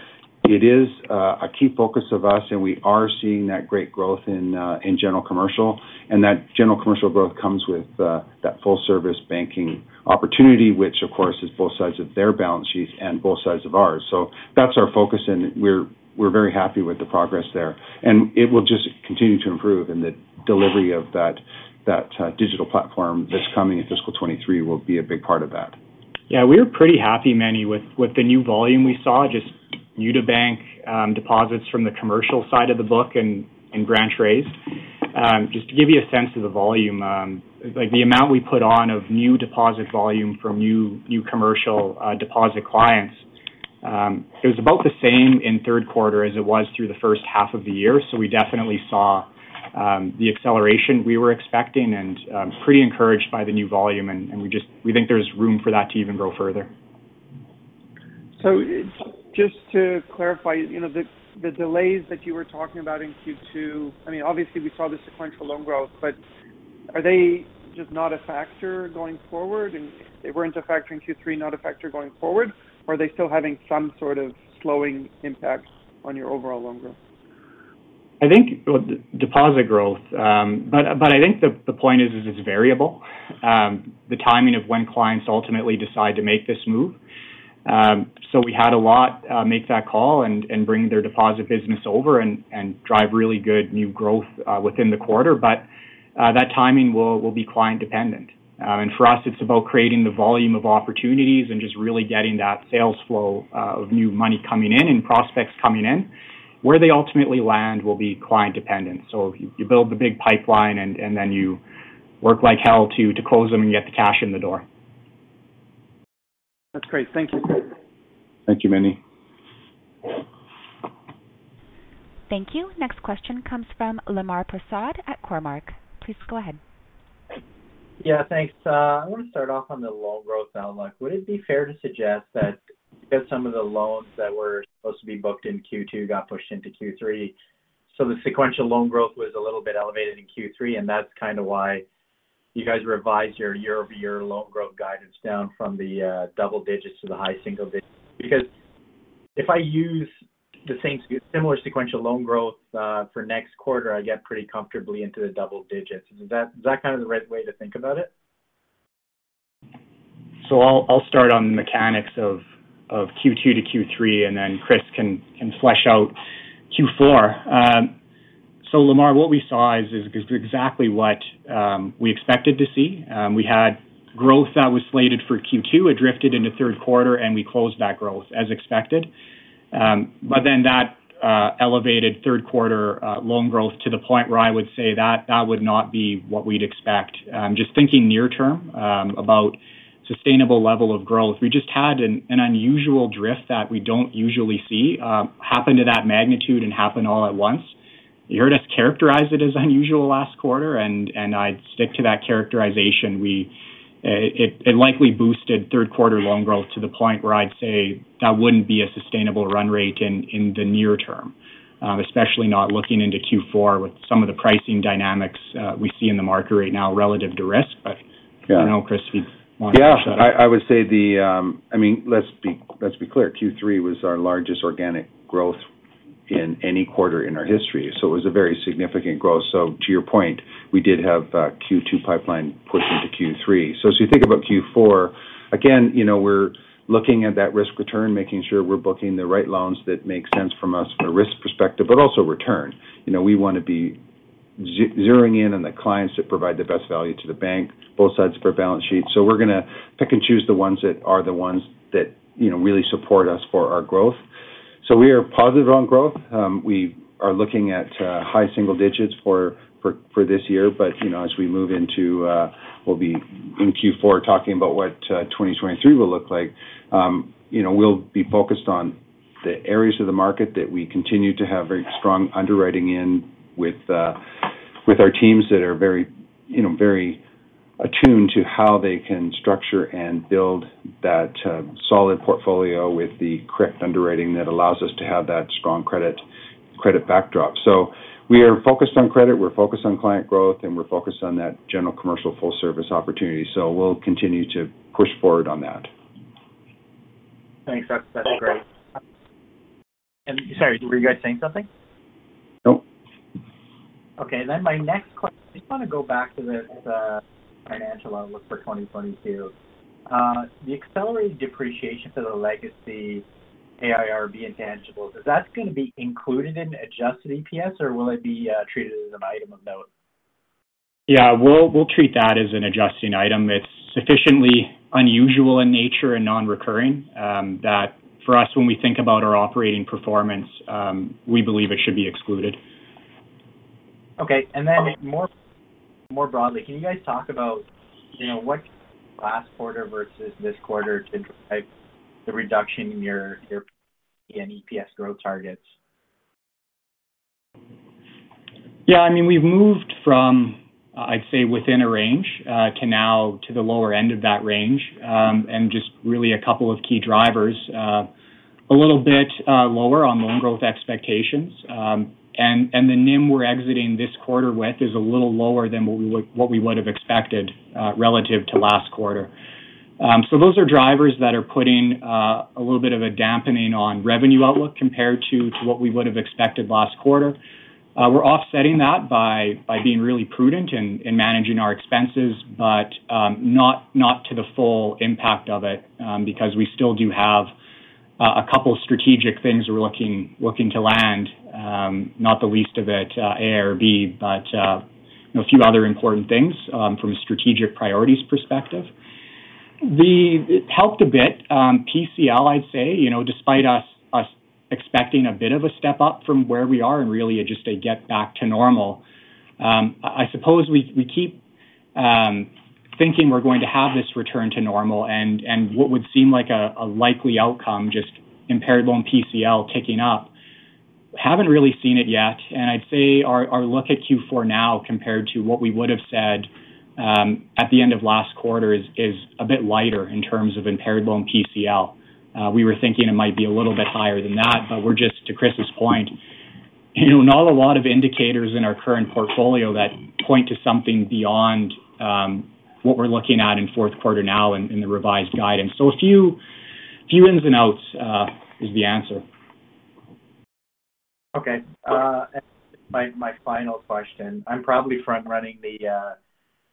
It is a key focus of us, and we are seeing that great growth in general commercial. That general commercial growth comes with that full service banking opportunity, which of course is both sides of their balance sheets and both sides of ours. That's our focus, and we're very happy with the progress there. It will just continue to improve, and the delivery of that digital platform that's coming in fiscal 2023 will be a big part of that. Yeah, we're pretty happy, Meny, with the new volume we saw, just new-to-bank deposits from the commercial side of the book and branch raised. Just to give you a sense of the volume, like the amount we put on of new deposit volume from new commercial deposit clients, it was about the same in third quarter as it was through the first half of the year. We definitely saw the acceleration we were expecting and pretty encouraged by the new volume and we just, we think there's room for that to even grow further. Just to clarify, you know, the delays that you were talking about in Q2, I mean, obviously we saw the sequential loan growth, but are they just not a factor going forward? They weren't a factor in Q3, not a factor going forward, or are they still having some sort of slowing impact on your overall loan growth? Well, deposit growth. I think the point is it's variable, the timing of when clients ultimately decide to make this move. We had a lot make that call and bring their deposit business over and drive really good new growth within the quarter. That timing will be client dependent. For us, it's about creating the volume of opportunities and just really getting that sales flow of new money coming in and prospects coming in. Where they ultimately land will be client dependent. You build the big pipeline and then you work like hell to close them and get the cash in the door. That's great. Thank you. Thank you, Meny. Thank you. Next question comes from Lemar Persaud at Cormark. Please go ahead. Yeah, thanks. I want to start off on the loan growth outlook. Would it be fair to suggest that because some of the loans that were supposed to be booked in Q2 got pushed into Q3, so the sequential loan growth was a little bit elevated in Q3, and that's kind of why you guys revised your year-over-year loan growth guidance down from the double digits to the high single digits? Because if I use the same similar sequential loan growth for next quarter, I get pretty comfortably into the double digits. Is that kind of the right way to think about it? I'll start on the mechanics of Q2 to Q3, and then Chris can flesh out Q4. Lemar, what we saw is exactly what we expected to see. We had growth that was slated for Q2. It drifted into third quarter, and we closed that growth as expected. Then that elevated third quarter loan growth to the point where I would say that would not be what we'd expect. Just thinking near term about sustainable level of growth. We just had an unusual drift that we don't usually see happen to that magnitude and happen all at once. You heard us characterize it as unusual last quarter, and I'd stick to that characterization. We It likely boosted third quarter loan growth to the point where I'd say that wouldn't be a sustainable run rate in the near term, especially not looking into Q4 with some of the pricing dynamics we see in the market right now relative to risk. Yeah. I know Chris, if you'd want to finish that. Yeah. I would say, I mean, let's be clear. Q3 was our largest organic growth in any quarter in our history, so it was a very significant growth. To your point, we did have Q2 pipeline push into Q3. As you think about Q4, again, you know, we're looking at that risk return, making sure we're booking the right loans that make sense from a risk perspective, but also return. You know, we wanna be zeroing in on the clients that provide the best value to the bank, both sides of our balance sheet. We're gonna pick and choose the ones that, you know, really support us for our growth. We are positive on growth. We are looking at high single digits for this year. You know, as we move into we'll be in Q4 talking about what 2023 will look like. You know, we'll be focused on the areas of the market that we continue to have very strong underwriting in with our teams that are very you know very attuned to how they can structure and build that solid portfolio with the correct underwriting that allows us to have that strong credit backdrop. We are focused on credit, we're focused on client growth, and we're focused on that general commercial full service opportunity. We'll continue to push forward on that. Thanks. That's great. Sorry, were you guys saying something? Nope. Okay. My next question, I just wanna go back to the financial outlook for 2022. The accelerated depreciation for the legacy AIRB intangibles, is that gonna be included in adjusted EPS, or will it be treated as an item of note? Yeah. We'll treat that as an adjusting item. It's sufficiently unusual in nature and non-recurring, that for us, when we think about our operating performance, we believe it should be excluded. Okay. More broadly, can you guys talk about, you know, what last quarter versus this quarter to drive the reduction in your EPS growth targets? Yeah. I mean, we've moved from, I'd say, within a range, to now to the lower end of that range. Just really a couple of key drivers. A little bit lower on loan growth expectations. The NIM we're exiting this quarter with is a little lower than what we would have expected, relative to last quarter. Those are drivers that are putting a little bit of a dampening on revenue outlook compared to what we would have expected last quarter. We're offsetting that by being really prudent in managing our expenses, but not to the full impact of it, because we still do have a couple strategic things we're looking to land, not the least of it, AIRB, but you know, a few other important things from a strategic priorities perspective. It helped a bit, PCL, I'd say. You know, despite us expecting a bit of a step up from where we are and really just a get back to normal. I suppose we keep thinking we're going to have this return to normal and what would seem like a likely outcome, just impaired loan PCL ticking up. Haven't really seen it yet, and I'd say our look at Q4 now compared to what we would have said at the end of last quarter is a bit lighter in terms of impaired loan PCL. We were thinking it might be a little bit higher than that, but we're just, to Chris's point, you know, not a lot of indicators in our current portfolio that point to something beyond what we're looking at in fourth quarter now in the revised guidance. A few ins and outs is the answer. Okay. My final question. I'm probably front-running the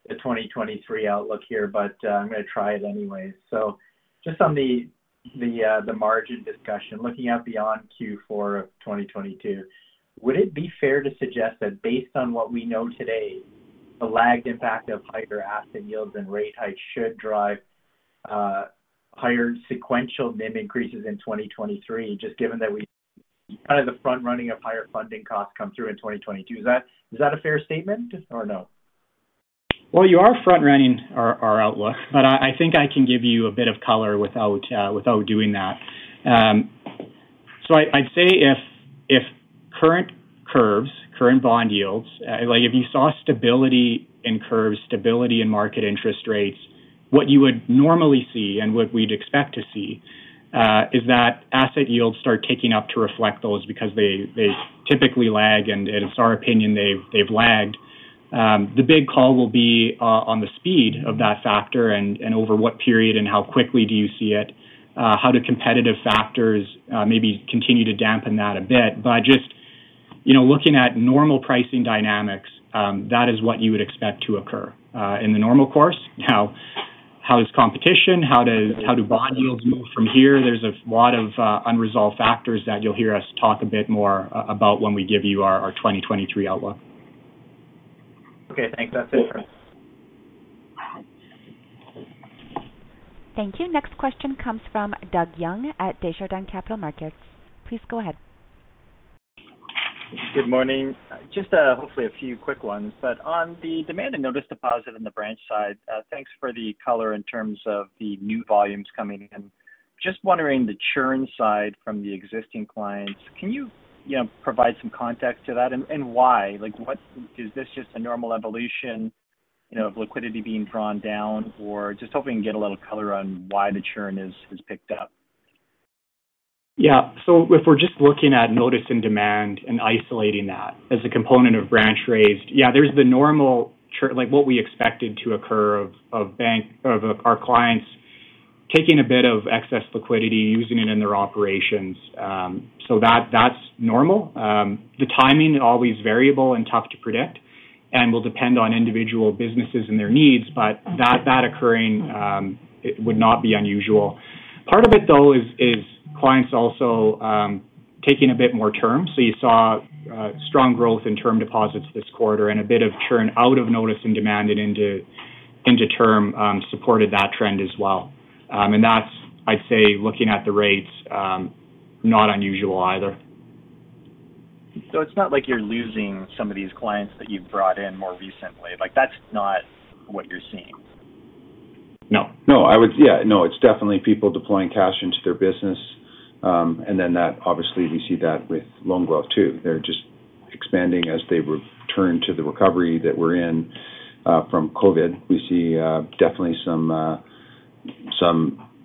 2023 outlook here, but I'm gonna try it anyways. Just on the margin discussion, looking out beyond Q4 of 2022, would it be fair to suggest that based on what we know today, the lagged impact of higher asset yields and rate hikes should drive higher sequential NIM increases in 2023, just given that kind of the front-running of higher funding costs come through in 2022? Is that a fair statement or no? Well, you are front-running our outlook, but I think I can give you a bit of color without doing that. I'd say if current curves, current bond yields, like if you saw stability in curves, stability in market interest rates, what you would normally see and what we'd expect to see is that asset yields start ticking up to reflect those because they typically lag, and it's our opinion they've lagged. The big call will be on the speed of that factor and over what period and how quickly do you see it. How do competitive factors maybe continue to dampen that a bit. Just you know, looking at normal pricing dynamics, that is what you would expect to occur in the normal course. Now, how is competition? How do bond yields move from here? There's a lot of unresolved factors that you'll hear us talk a bit more about when we give you our 2023 outlook. Okay, thanks. That's it. Thank you. Next question comes from Doug Young at Desjardins Capital Markets. Please go ahead. Good morning. Just hopefully a few quick ones. On the demand and notice deposit on the branch side, thanks for the color in terms of the new volumes coming in. Just wondering the churn side from the existing clients. Can you know, provide some context to that and why? Like, what is this just a normal evolution, you know, of liquidity being drawn down? Or just hoping to get a little color on why the churn is picked up. Yeah. If we're just looking at notice and demand and isolating that as a component of branch raised, yeah, there's the normal like, what we expected to occur of our clients taking a bit of excess liquidity, using it in their operations. That that's normal. The timing always variable and tough to predict and will depend on individual businesses and their needs, but that occurring, it would not be unusual. Part of it, though, is clients also taking a bit more term. You saw strong growth in term deposits this quarter and a bit of churn out of notice and demand and into term supported that trend as well. That's, I'd say, looking at the rates, not unusual either. it's not like you're losing some of these clients that you've brought in more recently. Like, that's not what you're seeing. No. No, it's definitely people deploying cash into their business, and then obviously we see that with loan growth, too. They're just expanding as they return to the recovery that we're in from COVID. We see definitely some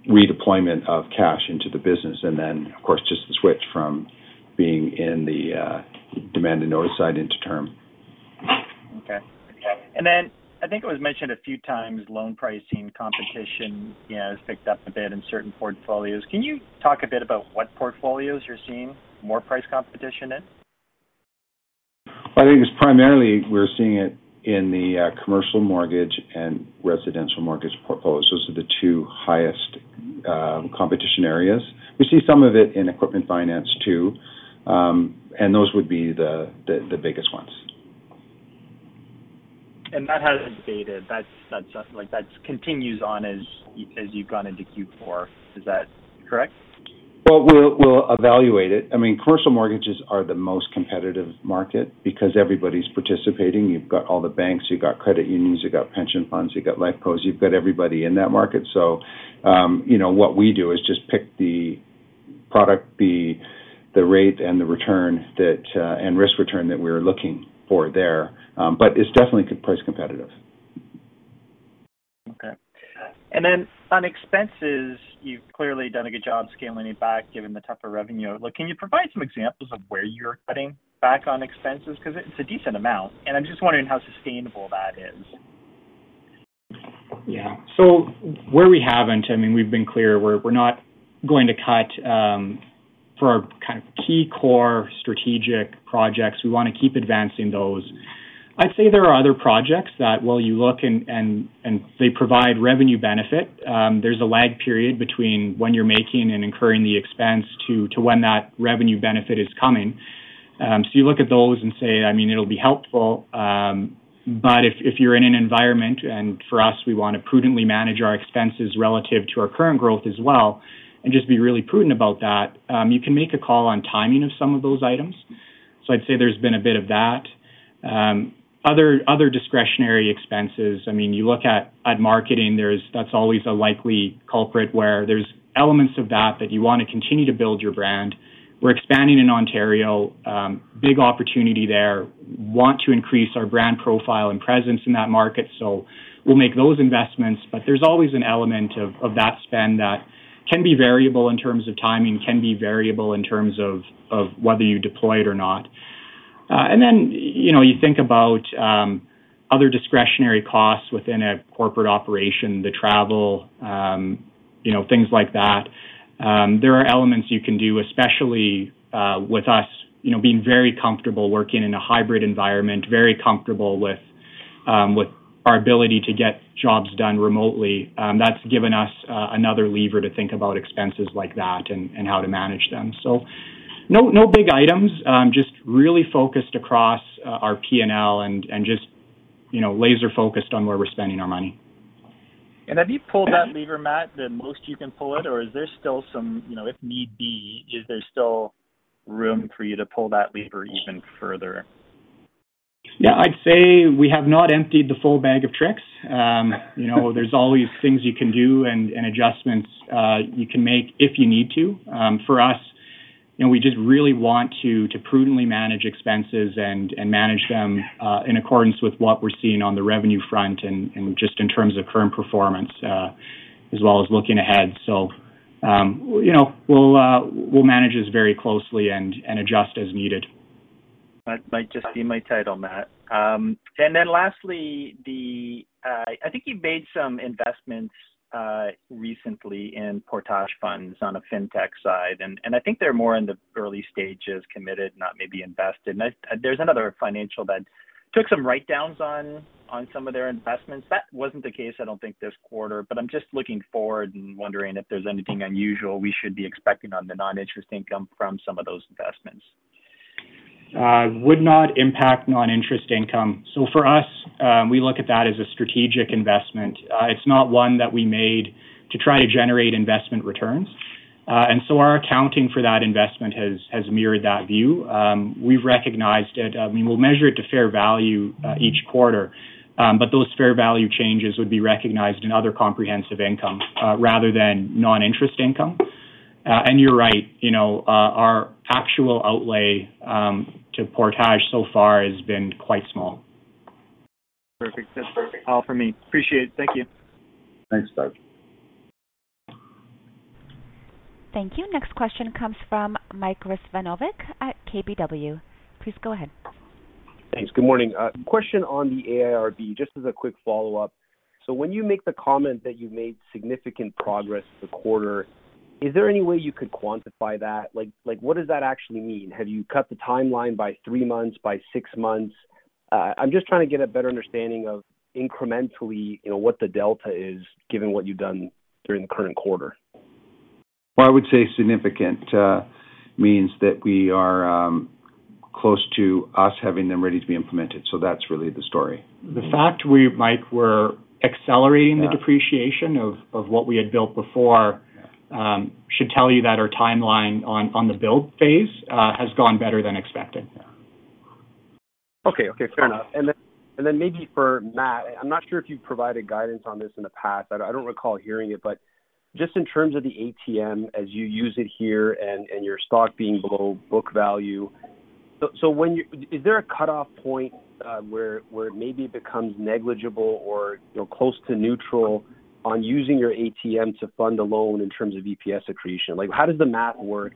redeployment of cash into the business and then, of course, just the switch from being in the demand and notice side into term. Okay. I think it was mentioned a few times, loan pricing competition, you know, has picked up a bit in certain portfolios. Can you talk a bit about what portfolios you're seeing more price competition in? I think it's primarily we're seeing it in the commercial mortgage and residential mortgage portfolios. Those are the two highest competition areas. We see some of it in equipment finance, too. Those would be the biggest ones. That hasn't faded. That's just like that continues on as you've gone into Q4. Is that correct? Well, we'll evaluate it. I mean, commercial mortgages are the most competitive market because everybody's participating. You've got all the banks, you've got credit unions, you've got pension funds, you've got life cos, you've got everybody in that market. You know, what we do is just pick the product, the rate and the return that and risk return that we're looking for there. But it's definitely price competitive. Okay. On expenses, you've clearly done a good job scaling it back given the tougher revenue. Like, can you provide some examples of where you're cutting back on expenses? 'Cause it's a decent amount, and I'm just wondering how sustainable that is. Yeah. Where we haven't, I mean, we've been clear, we're not going to cut for our kind of key core strategic projects. We wanna keep advancing those. I'd say there are other projects that they provide revenue benefit, there's a lag period between when you're making and incurring the expense to when that revenue benefit is coming. You look at those and say, I mean, it'll be helpful, but if you're in an environment, and for us, we wanna prudently manage our expenses relative to our current growth as well and just be really prudent about that, you can make a call on timing of some of those items. I'd say there's been a bit of that. Other discretionary expenses, I mean, you look at marketing, there's that's always a likely culprit where there's elements of that that you wanna continue to build your brand. We're expanding in Ontario, big opportunity there. Want to increase our brand profile and presence in that market, so we'll make those investments. There's always an element of that spend that can be variable in terms of timing, can be variable in terms of whether you deploy it or not. And then, you know, you think about other discretionary costs within a corporate operation, the travel, you know, things like that. There are elements you can do, especially with us, you know, being very comfortable working in a hybrid environment, very comfortable with our ability to get jobs done remotely. That's given us another lever to think about expenses like that and how to manage them. No big items. Just really focused across our P&L and just, you know, laser focused on where we're spending our money. Have you pulled that lever, Matt, the most you can pull it, or is there still some, you know, if need be, is there still room for you to pull that lever even further? Yeah, I'd say we have not emptied the full bag of tricks. You know, there's always things you can do and adjustments you can make if you need to. For us, you know, we just really want to prudently manage expenses and manage them in accordance with what we're seeing on the revenue front and just in terms of current performance as well as looking ahead. You know, we'll manage this very closely and adjust as needed. That might just be my title, Matt. Lastly, I think you've made some investments recently in Portage Ventures on the fintech side, and I think they're more in the early stages, committed, not maybe invested. There's another financial that took some write-downs on some of their investments. That wasn't the case, I don't think, this quarter, but I'm just looking forward and wondering if there's anything unusual we should be expecting on the non-interest income from some of those investments. Would not impact non-interest income. For us, we look at that as a strategic investment. It's not one that we made to try to generate investment returns. Our accounting for that investment has mirrored that view. We've recognized it. I mean, we'll measure it to fair value each quarter. Those fair value changes would be recognized in other comprehensive income rather than non-interest income. You're right, you know, our actual outlay to Portage so far has been quite small. Perfect. That's perfect. All for me. Appreciate it. Thank you. Thanks, Doug. Thank you. Next question comes from Mike Rizvanovic at KBW. Please go ahead. Thanks. Good morning. Question on the AIRB, just as a quick follow-up. When you make the comment that you've made significant progress this quarter, is there any way you could quantify that? Like, what does that actually mean? Have you cut the timeline by three months, by six months? I'm just trying to get a better understanding of incrementally, you know, what the delta is given what you've done during the current quarter. Well, I would say significant means that we are close to us having them ready to be implemented. So that's really, the story. ,The fact we Mike, were accelerating. Yeah. The depreciation of what we had built before should tell you that our timeline on the build phase has gone better than expected. Yeah. Okay. Fair enough. Then maybe for Matt, I'm not sure if you've provided guidance on this in the past. I don't recall hearing it, but just in terms of the ATM as you use it here and your stock being below book value. Is there a cutoff point where it maybe becomes negligible or, you know, close to neutral on using your ATM to fund a loan in terms of EPS accretion? Like, how does the math work?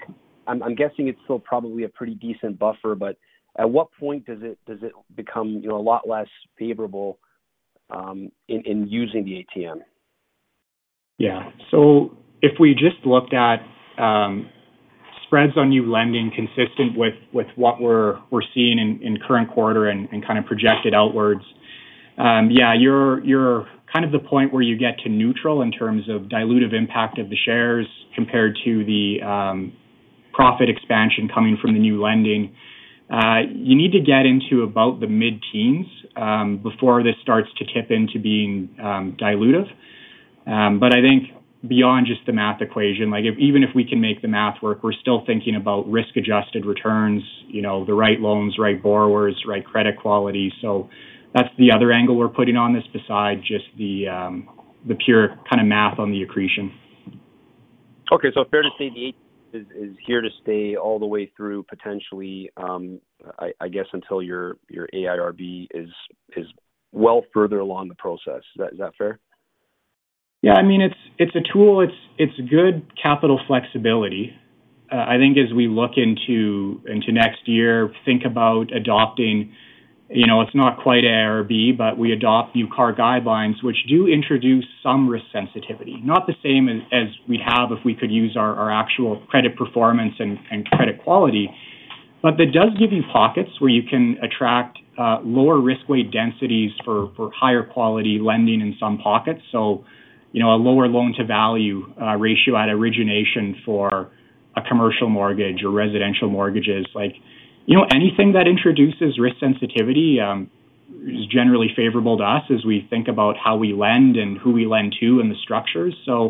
I'm guessing it's still probably a pretty decent buffer, but at what point does it become, you know, a lot less favorable in using the ATM? Yeah. If we just looked at spreads on new lending consistent with what we're seeing in current quarter and kind of projected outwards, yeah, you're kind of the point where you get to neutral in terms of dilutive impact of the shares compared to the profit expansion coming from the new lending. You need to get into about the mid-teens before this starts to tip into being dilutive. But I think beyond just the math equation, like if even if we can make the math work, we're still thinking about risk-adjusted returns, you know, the right loans, right borrowers, right credit quality. That's the other angle we're putting on this besides just the pure kind of math on the accretion. Okay. Fair to say the AT is here to stay all the way through potentially, I guess until your AIRB is well further along the process. Is that fair? Yeah. I mean, it's a tool. It's good capital flexibility. I think as we look into next year, think about adopting, you know, it's not quite AIRB, but we adopt new CAR guidelines which do introduce some risk sensitivity. Not the same as we have if we could use our actual credit performance and credit quality. That does give you pockets where you can attract lower risk weight densities for higher quality lending in some pockets. You know, a lower loan-to-value ratio at origination for a commercial mortgage or residential mortgages. Like, you know, anything that introduces risk sensitivity is generally favorable to us as we think about how we lend and who we lend to and the structures. I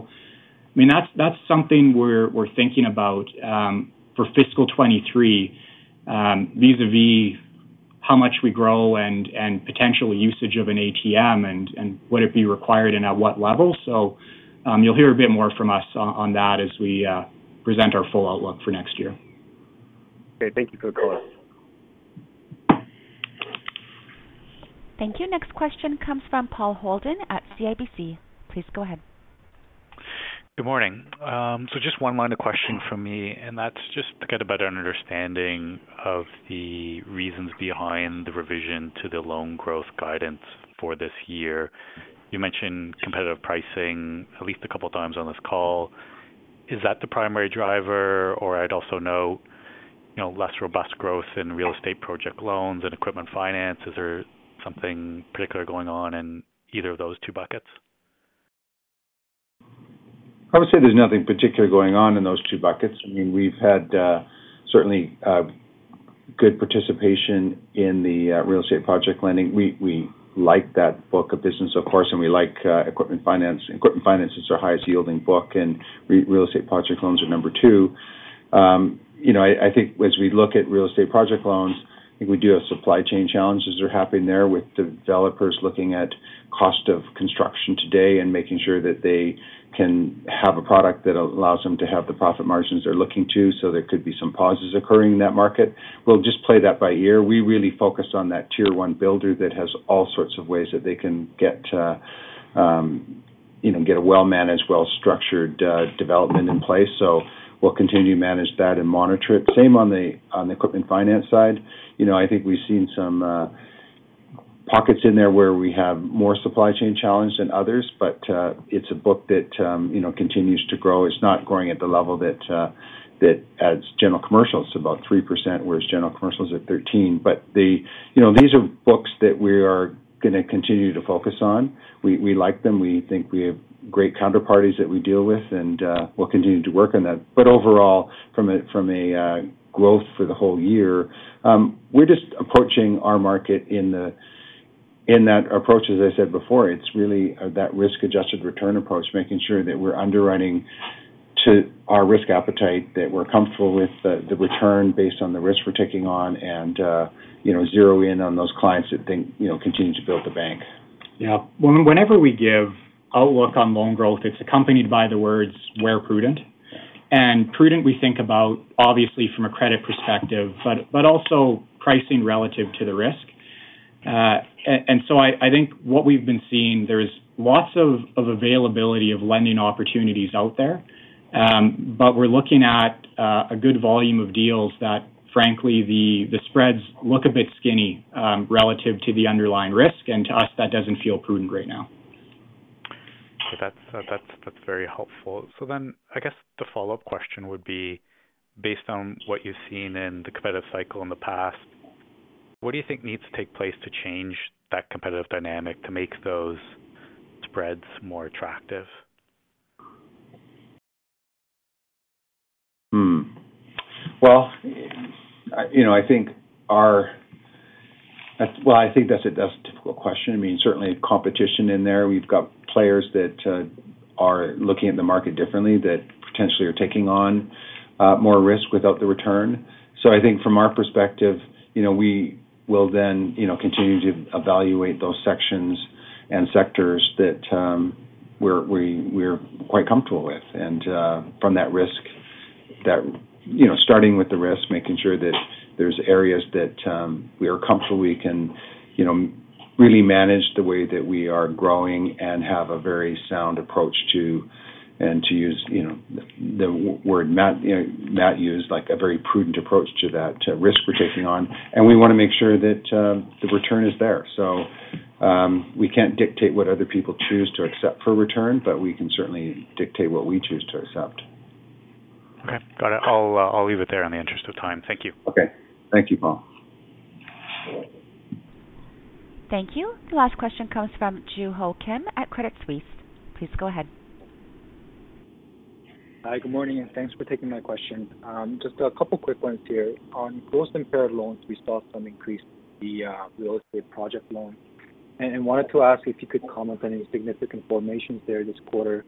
mean, that's something we're thinking about for fiscal 2023 vis-à-vis how much we grow and potential usage of an ATM and would it be required and at what level. You'll hear a bit more from us on that as we present our full outlook for next year. Okay. Thank you for the color. Thank you. Next question comes from Paul Holden at CIBC. Please go ahead. Good morning. Just one line of questioning from me, and that's just to get a better understanding of the reasons behind the revision to the loan growth guidance for this year. You mentioned competitive pricing at least a couple times on this call. Is that the primary driver? I'd also note, you know, less robust growth in real estate project loans and equipment finance. Is there something particular going on in either of those two buckets? I would say there's nothing particular going on in those two buckets. I mean, we've had certainly good participation in the real estate project lending. We like that book of business, of course, and we like equipment finance. Equipment finance is our highest yielding book, and real estate project loans are number two. You know, I think as we look at real estate project loans, I think we do have supply chain challenges are happening there with developers looking at cost of construction today and making sure that they can have a product that allows them to have the profit margins they're looking to. There could be some pauses occurring in that market. We'll just play that by ear. We really focus on that tier one builder that has all sorts of ways that they can get a well-managed, well-structured development in place. We'll continue to manage that and monitor it. Same on the equipment finance side. I think we've seen some pockets in there where we have more supply chain challenge than others, but it's a book that continues to grow. It's not growing at the level that of general commercials, it's about 3%, whereas general commercials are 13%. These are books that we are gonna continue to focus on. We like them. We think we have great counterparties that we deal with, and we'll continue to work on that. Overall, from a growth for the whole year, we're just approaching our market in that approach, as I said before. It's really that risk-adjusted return approach, making sure that we're underwriting to our risk appetite that we're comfortable with the return based on the risk we're taking on and you know, zero in on those clients that think you know continue to build the bank. Yeah. Whenever we give outlook on loan growth, it's accompanied by the words where prudent. Prudent, we think about obviously from a credit perspective, but also pricing relative to the risk. I think what we've been seeing, there's lots of availability of lending opportunities out there. We're looking at a good volume of deals that frankly the spreads look a bit skinny, relative to the underlying risk. To us, that doesn't feel prudent right now. That's very helpful. I guess the follow-up question would be, based on what you've seen in the competitive cycle in the past, what do you think needs to take place to change that competitive dynamic to make those spreads more attractive? Well, you know, I think that's a difficult question. I mean, certainly competition in there. We've got players that are looking at the market differently, that potentially are taking on more risk without the return. I think from our perspective, you know, we will then, you know, continue to evaluate those sections and sectors that we're quite comfortable with. From that risk that, you know, starting with the risk, making sure that there's areas that we are comfortable we can, you know, really manage the way that we are growing and have a very sound approach to. To use, you know, the w-word Matt used, like a very prudent approach to that, to risk we're taking on, and we wanna make sure that the return is there. We can't dictate what other people choose to accept for return, but we can certainly dictate what we choose to accept. Okay. Got it. I'll leave it there in the interest of time. Thank you. Okay. Thank you, Paul. Thank you. The last question comes from Joo Ho Kim at Credit Suisse. Please go ahead. Hi, good morning, and thanks for taking my question. Just a couple quick ones here. On Gross Impaired Loans, we saw some increase in the real estate project loan. Wanted to ask if you could comment on any significant formations there this quarter.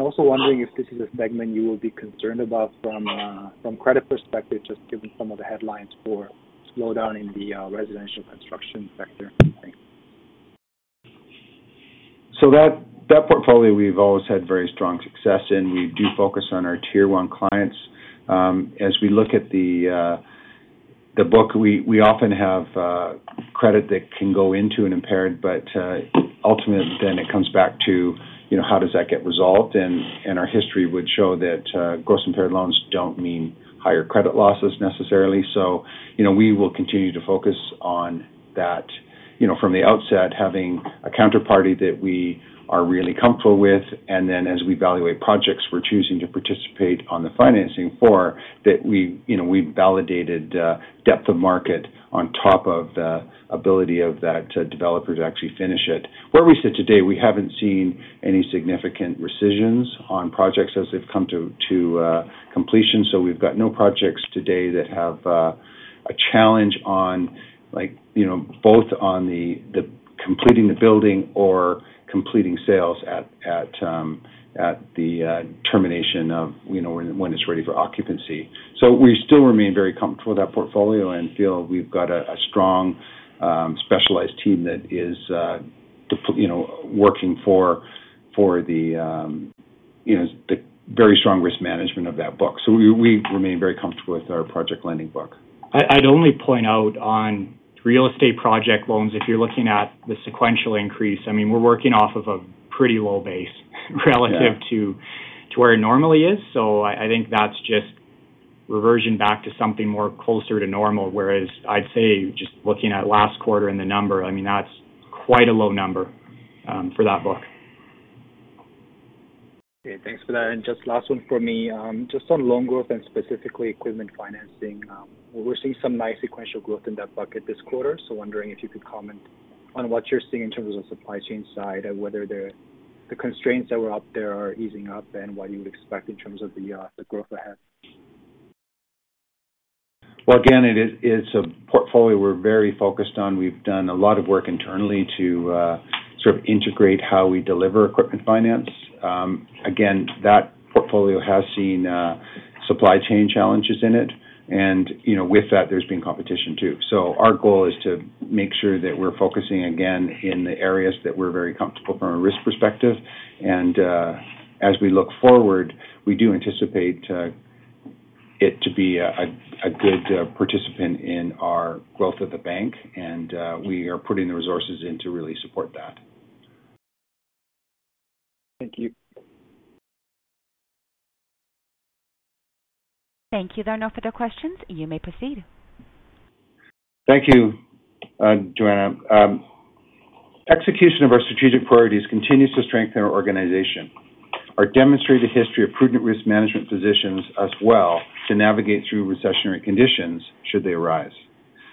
Also wondering if this is a segment you will be concerned about from credit perspective, just given some of the headlines for slowdown in the residential construction sector. Thanks. That portfolio, we've always had very strong success in. We do focus on our Tier 1 clients. As we look at the book, we often have credit that can go into an impaired, but ultimately then it comes back to, you know, how does that get resolved. Our history would show that gross impaired loans don't mean higher credit losses necessarily. You know, we will continue to focus on that, you know, from the outset, having a counterparty that we are really comfortable with. Then as we evaluate projects, we're choosing to participate on the financing for that we, you know, validated depth of market on top of the ability of that developer to actually finish it. Where we sit today, we haven't seen any significant rescissions on projects as they've come to completion. We've got no projects today that have a challenge on like, you know, both on the completing the building or completing sales at the termination of, you know, when it's ready for occupancy. We still remain very comfortable with that portfolio and feel we've got a strong specialized team that is, you know, working for the you know, the very strong risk management of that book. We remain very comfortable with our project lending book. I'd only point out on real estate project loans, if you're looking at the sequential increase, I mean, we're working off of a pretty low base relative. Yeah. to where it normally is. I think that's just reversion back to something more closer to normal. Whereas I'd say just looking at last quarter and the number, I mean, that's quite a low number for that book. Okay. Thanks for that. Just last one for me. Just on loan growth and specifically equipment financing, we're seeing some nice sequential growth in that bucket this quarter. Wondering if you could comment on what you're seeing in terms of supply chain side and whether the constraints that were up there are easing up and what you would expect in terms of the growth ahead. Well, again, it's a portfolio we're very focused on. We've done a lot of work internally to sort of integrate how we deliver equipment finance. Again, that portfolio has seen supply chain challenges in it. You know, with that, there's been competition too. Our goal is to make sure that we're focusing again in the areas that we're very comfortable from a risk perspective. As we look forward, we do anticipate it to be a good participant in our growth of the bank, and we are putting the resources in to really support that. Thank you. Thank you. There are no further questions. You may proceed. Thank you, Joanna. Execution of our strategic priorities continues to strengthen our organization. Our demonstrated history of prudent risk management positions us well to navigate through recessionary conditions should they arise.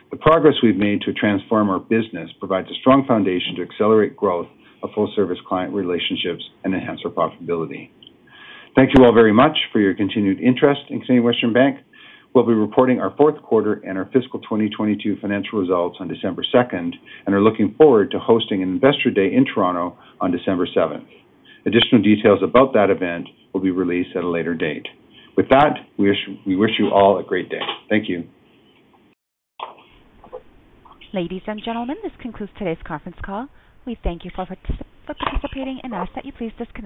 The progress we've made to transform our business provides a strong foundation to accelerate growth of full service client relationships and enhance our profitability. Thank you all very much for your continued interest in Canadian Western Bank. We'll be reporting our fourth quarter and our fiscal 2022 financial results on December second, and are looking forward to hosting an investor day in Toronto on December seventh. Additional details about that event will be released at a later date. With that, we wish you all a great day. Thank you. Ladies and gentlemen, this concludes today's conference call. We thank you for participating and ask that you please disconnect.